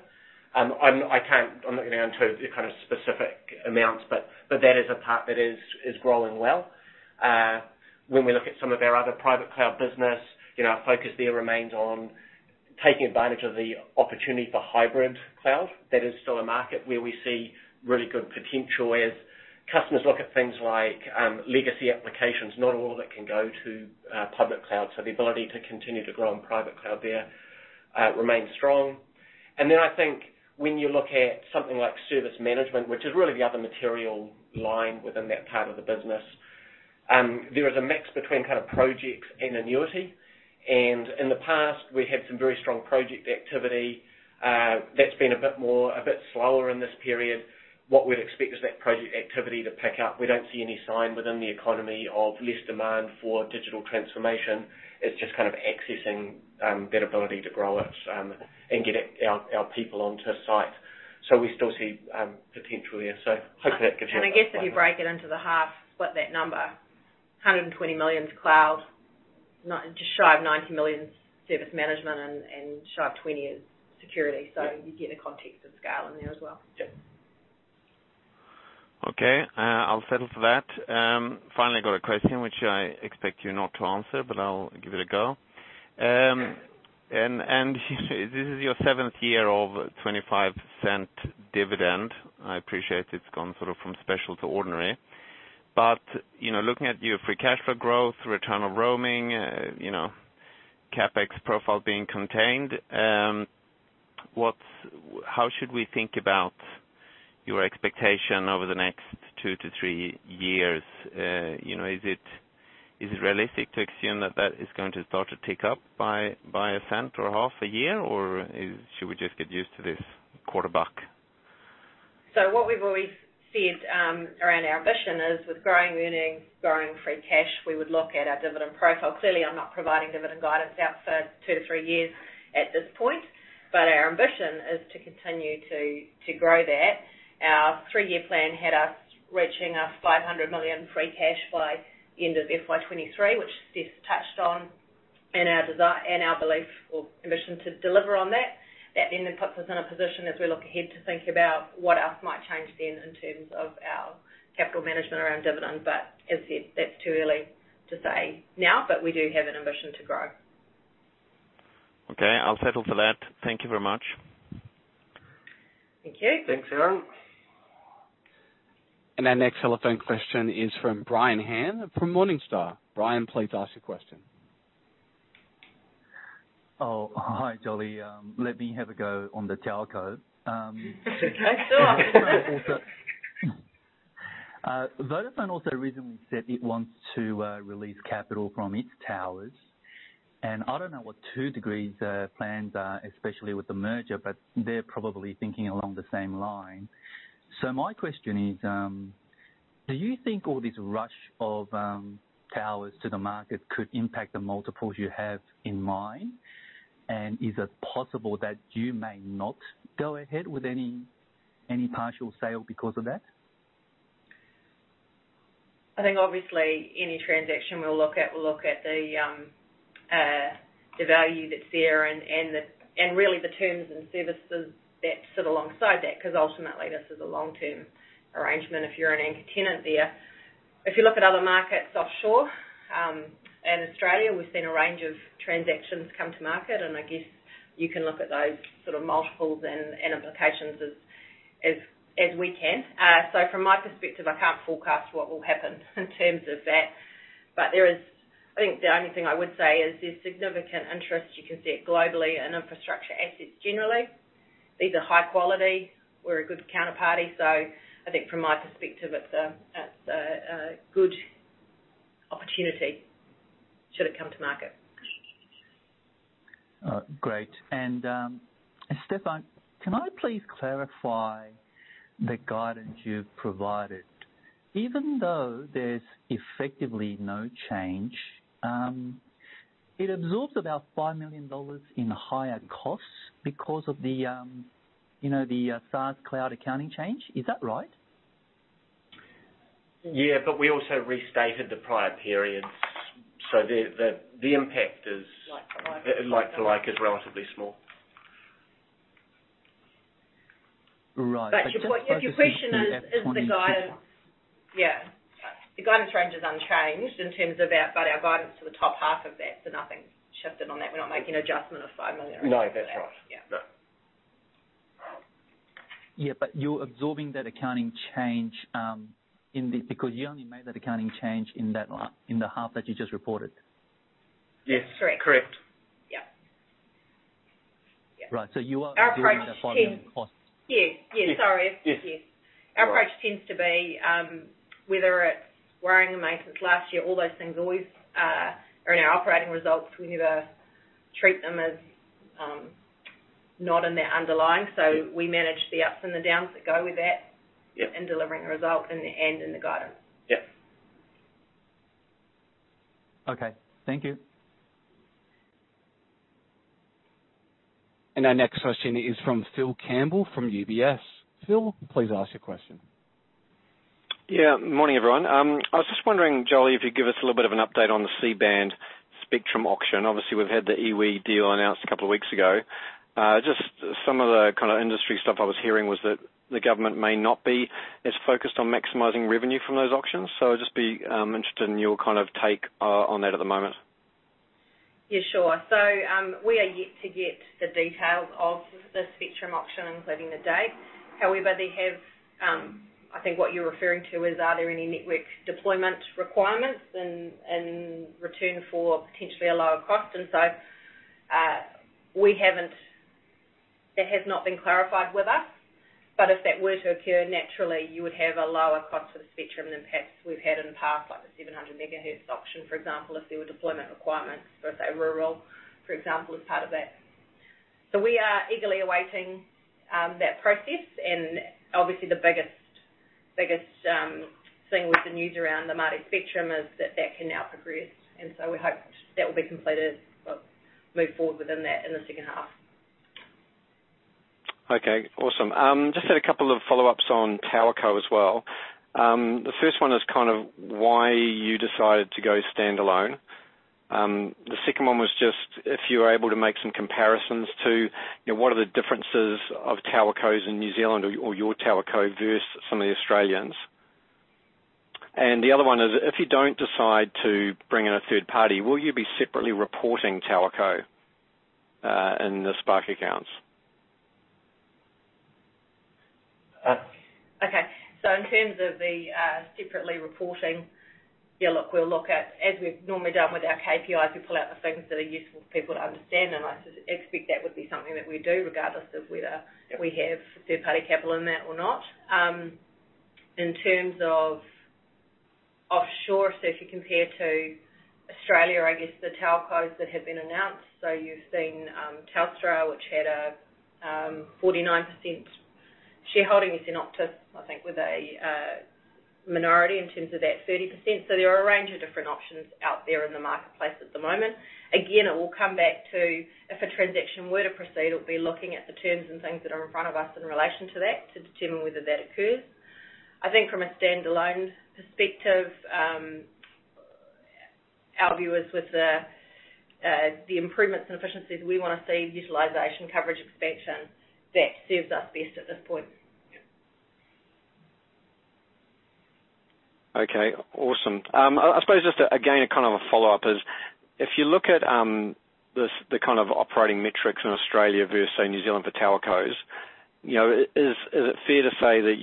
I'm not going to go into the kind of specific amounts, but that is a part that is growing well. When we look at some of our other private cloud business, you know, our focus there remains on taking advantage of the opportunity for hybrid cloud. That is still a market where we see really good potential as customers look at things like legacy applications, not all of it can go to public cloud. So the ability to continue to grow in private cloud there remains strong. I think when you look at something like service management, which is really the other material line within that part of the business, there is a mix between kind of projects and annuity. In the past, we had some very strong project activity, that's been a bit more, a bit slower in this period. What we'd expect is that project activity to pick up. We don't see any sign within the economy of less demand for digital transformation. It's just kind of accessing that ability to grow it and get our people onto site. We still see potential there. Hopefully that gives you a flavor. I guess if you break it into the half, split that number, 120 million's cloud, just shy of 90 million's service management and shy of 20 is security. Yeah. You get a context of scale in there as well. Yeah. Okay. I'll settle for that. Finally got a question which I expect you not to answer, but I'll give it a go. This is your seventh year of 25% dividend. I appreciate it's gone sort of from special to ordinary. You know, looking at your free cash flow growth, return on roaming, CapEx profile being contained, how should we think about your expectation over the next two to three years? You know, is it realistic to assume that is going to start to tick up by NZD 0.01 or half a cent a year, or should we just get used to this quarter buck? What we've always said, around our ambition is with growing earnings, growing free cash, we would look at our dividend profile. Clearly, I'm not providing dividend guidance out for two to three years at this point, but our ambition is to continue to grow that. Our three-year plan had us reaching 500 million free cash by end of FY 2023, which Stef touched on, and our belief or ambition to deliver on that. That then puts us in a position as we look ahead to think about what else might change then in terms of our capital management around dividends. As said, that's too early to say now, but we do have an ambition to grow. Okay. I'll settle for that. Thank you very much. Thank you. Thanks, Aaron. Our next telephone question is from Brian Han from Morningstar. Brian, please ask your question. Oh, hi, Jolie. Let me have a go on the telco. Okay, sure. Vodafone also recently said it wants to release capital from its towers. I don't know what 2degrees plans are, especially with the merger, but they're probably thinking along the same line. My question is, do you think all this rush of towers to the market could impact the multiples you have in mind? Is it possible that you may not go ahead with any partial sale because of that? I think obviously any transaction we'll look at, we'll look at the value that's there and the, and really the terms and services that sit alongside that, because ultimately this is a long-term arrangement if you're an anchor tenant there. If you look at other markets offshore and Australia, we've seen a range of transactions come to market, and I guess you can look at those sort of multiples and implications as we can. From my perspective, I can't forecast what will happen in terms of that. But I think the only thing I would say is there's significant interest you can see globally in infrastructure assets generally. These are high quality. We're a good counterparty. I think from my perspective, it's a good opportunity should it come to market. Great. Stefan, can I please clarify the guidance you've provided? Even though there's effectively no change, it absorbs about 5 million dollars in higher costs because of the, you know, the, SaaS cloud accounting change. Is that right? Yeah. We also restated the prior periods. The impact is- Like to like. Like to like is relatively small. Right. Your question is the guidance. FY 2022. Yeah. The guidance range is unchanged in terms of our guidance to the top half of that, so nothing's shifted on that. We're not making an adjustment of 5 million. No, that's right. Yeah. You're absorbing that accounting change in the half that you just reported because you only made that accounting change in that half that you just reported? Yes. Correct. Correct. Yeah. Yeah. Right. You aren't doing the final costs. Yeah. Yeah. Sorry. Yes. Yes. All right. Our approach tends to be, whether it's wear and tear maintenance last year, all those things always are in our operating results. We never treat them as not in the underlying. We manage the ups and the downs that go with that. Yeah In delivering the result and in the guidance. Yeah. Okay. Thank you. Our next question is from Phil Campbell, from UBS. Phil, please ask your question. Yeah. Morning, everyone. I was just wondering, Jolie, if you could give us a little bit of an update on the C-band spectrum auction. Obviously, we've had the iwi deal announced a couple of weeks ago. Just some of the kind of industry stuff I was hearing was that the government may not be as focused on maximizing revenue from those auctions. I'd just be interested in your kind of take on that at the moment. Yeah, sure. We are yet to get the details of the spectrum auction, including the date. However, they have. I think what you're referring to is, are there any network deployment requirements in return for potentially a lower cost. That has not been clarified with us. But if that were to occur, naturally, you would have a lower cost for the spectrum than perhaps we've had in the past, like the 700 MHz auction, for example, if there were deployment requirements for, let's say, rural, for example, as part of that. We are eagerly awaiting that process. Obviously the biggest thing with the news around the Māori spectrum is that that can now progress. We hope that will be completed. We'll move forward within that in the second half. Okay, awesome. Just had a couple of follow-ups on TowerCo as well. The first one is kind of why you decided to go standalone. The second one was just if you were able to make some comparisons to, you know, what are the differences of TowerCos in New Zealand or your TowerCo versus some of the Australians. The other one is, if you don't decide to bring in a third party, will you be separately reporting TowerCo in the Spark accounts? Okay. In terms of the separately reporting, as we've normally done with our KPIs, we pull out the things that are useful for people to understand, and I expect that would be something that we do, regardless of whether we have third-party capital in that or not. In terms of offshore, if you compare to Australia, I guess the TowerCos that have been announced. You've seen Telstra, which had a 49% shareholding with Optus, I think with a minority in terms of that 30%. There are a range of different options out there in the marketplace at the moment. Again, it will come back to if a transaction were to proceed, it would be looking at the terms and things that are in front of us in relation to that to determine whether that occurs. I think from a standalone perspective, our view is with the improvements in efficiencies, we wanna see utilization, coverage expansion. That serves us best at this point. Yeah. Okay. Awesome. I suppose just, again, kind of a follow-up is if you look at the kind of operating metrics in Australia versus New Zealand for TowerCos, you know, is it fair to say that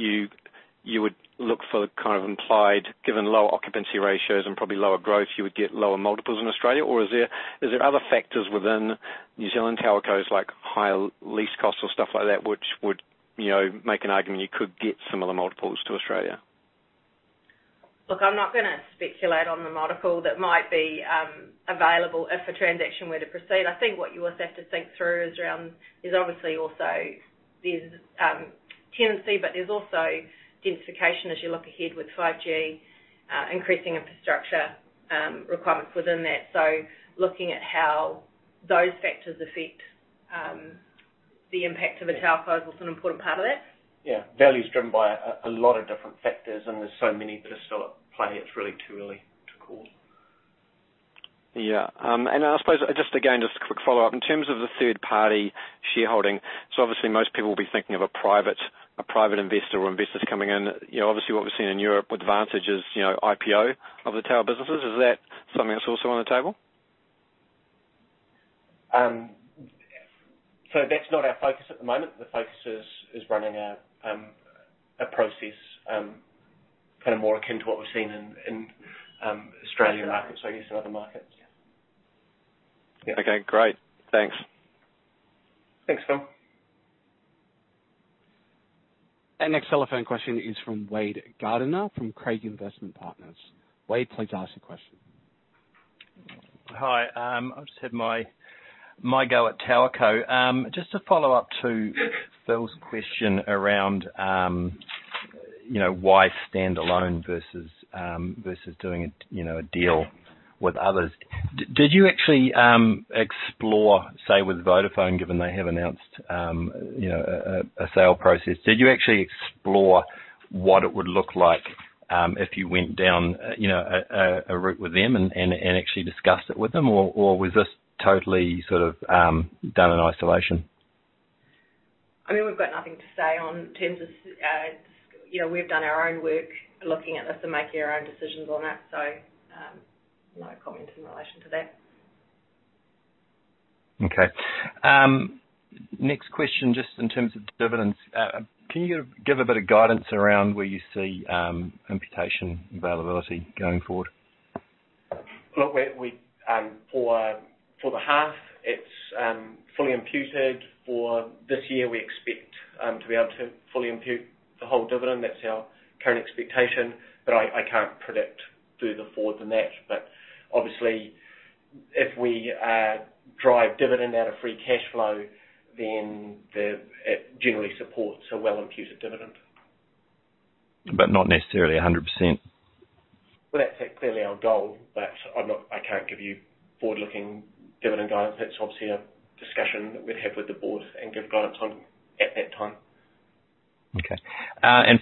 you would look for the kind of implied, given low occupancy ratios and probably lower growth, you would get lower multiples in Australia? Or is there other factors within New Zealand TowerCos like higher lease costs or stuff like that, which would, you know, make an argument you could get similar multiples to Australia? Look, I'm not gonna speculate on the multiple that might be available if a transaction were to proceed. I think what you also have to think through is there's obviously also this tenancy, but there's also densification as you look ahead with 5G, increasing infrastructure requirements within that. Looking at how those factors affect the impact of the TowerCos was an important part of that. Yeah. Value is driven by a lot of different factors, and there's so many that are still at play. It's really too early to call. Yeah. I suppose just, again, just a quick follow-up. In terms of the third-party shareholding, so obviously, most people will be thinking of a private investor or investors coming in. You know, obviously, what we've seen in Europe with Vantage Towers', you know, IPO of the tower businesses. Is that something that's also on the table? That's not our focus at the moment. The focus is running a process kind of more akin to what we've seen in Australian markets, I guess, than other markets. Yeah. Okay, great. Thanks. Thanks, Phil. Our next telephone question is from Wade Gardiner from Craigs Investment Partners. Wade, please ask your question. Hi. I'll just have my go at TowerCo. Just to follow up to Phil's question around, you know, why standalone versus doing a deal with others. Did you actually explore, say with Vodafone, given they have announced, you know, a sale process, what it would look like if you went down, you know, a route with them and actually discussed it with them or was this totally sort of done in isolation? I mean, we've got nothing to say in terms of, you know, we've done our own work looking at this and making our own decisions on that, so, no comment in relation to that. Okay. Next question, just in terms of dividends. Can you give a bit of guidance around where you see imputation availability going forward? Look, for the half, it's fully imputed. For this year, we expect to be able to fully impute the whole dividend. That's our current expectation. I can't predict further forward than that. Obviously, if we drive dividend out of free cash flow, then it generally supports a well-imputed dividend. Not necessarily 100%. Well, that's clearly our goal, but I can't give you forward-looking dividend guidance. That's obviously a discussion that we'd have with the board and give guidance on at that time. Okay.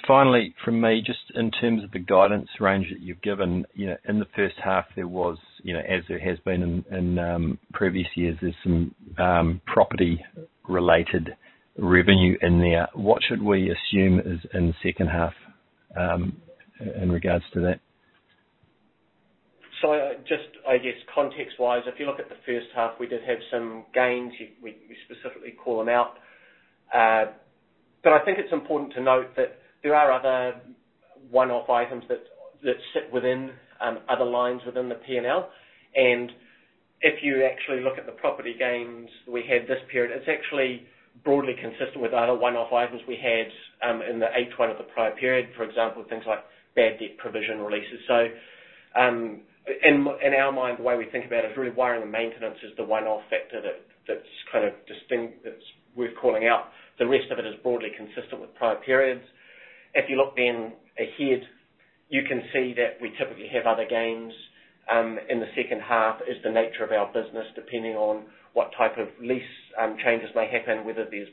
Finally from me, just in terms of the guidance range that you've given. You know, in the first half, there was, you know, as there has been in previous years, there's some property-related revenue in there. What should we assume is in the second half, in regards to that? Just I guess context-wise, if you look at the first half, we did have some gains. We specifically call them out. I think it's important to note that there are other one-off items that sit within other lines within the P&L. If you actually look at the property gains we had this period, it's actually broadly consistent with other one-off items we had in the H1 of the prior period. For example, things like bad debt provision releases. In our mind, the way we think about it is really wiring and maintenance is the one-off factor that's kind of distinct, that's worth calling out. The rest of it is broadly consistent with prior periods. If you look then ahead, you can see that we typically have other gains in the second half. Is the nature of our business, depending on what type of lease changes may happen, whether there's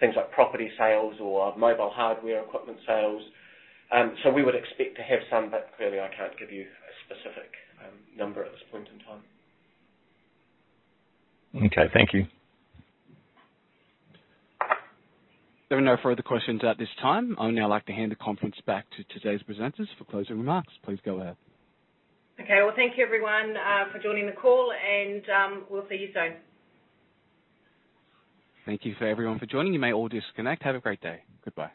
things like property sales or mobile hardware equipment sales. We would expect to have some, but clearly I can't give you a specific number at this point in time. Okay. Thank you. There are no further questions at this time. I'd now like to hand the conference back to today's presenters for closing remarks. Please go ahead. Okay. Well, thank you, everyone, for joining the call and we'll see you soon. Thank you, everyone, for joining. You may all disconnect. Have a great day. Goodbye.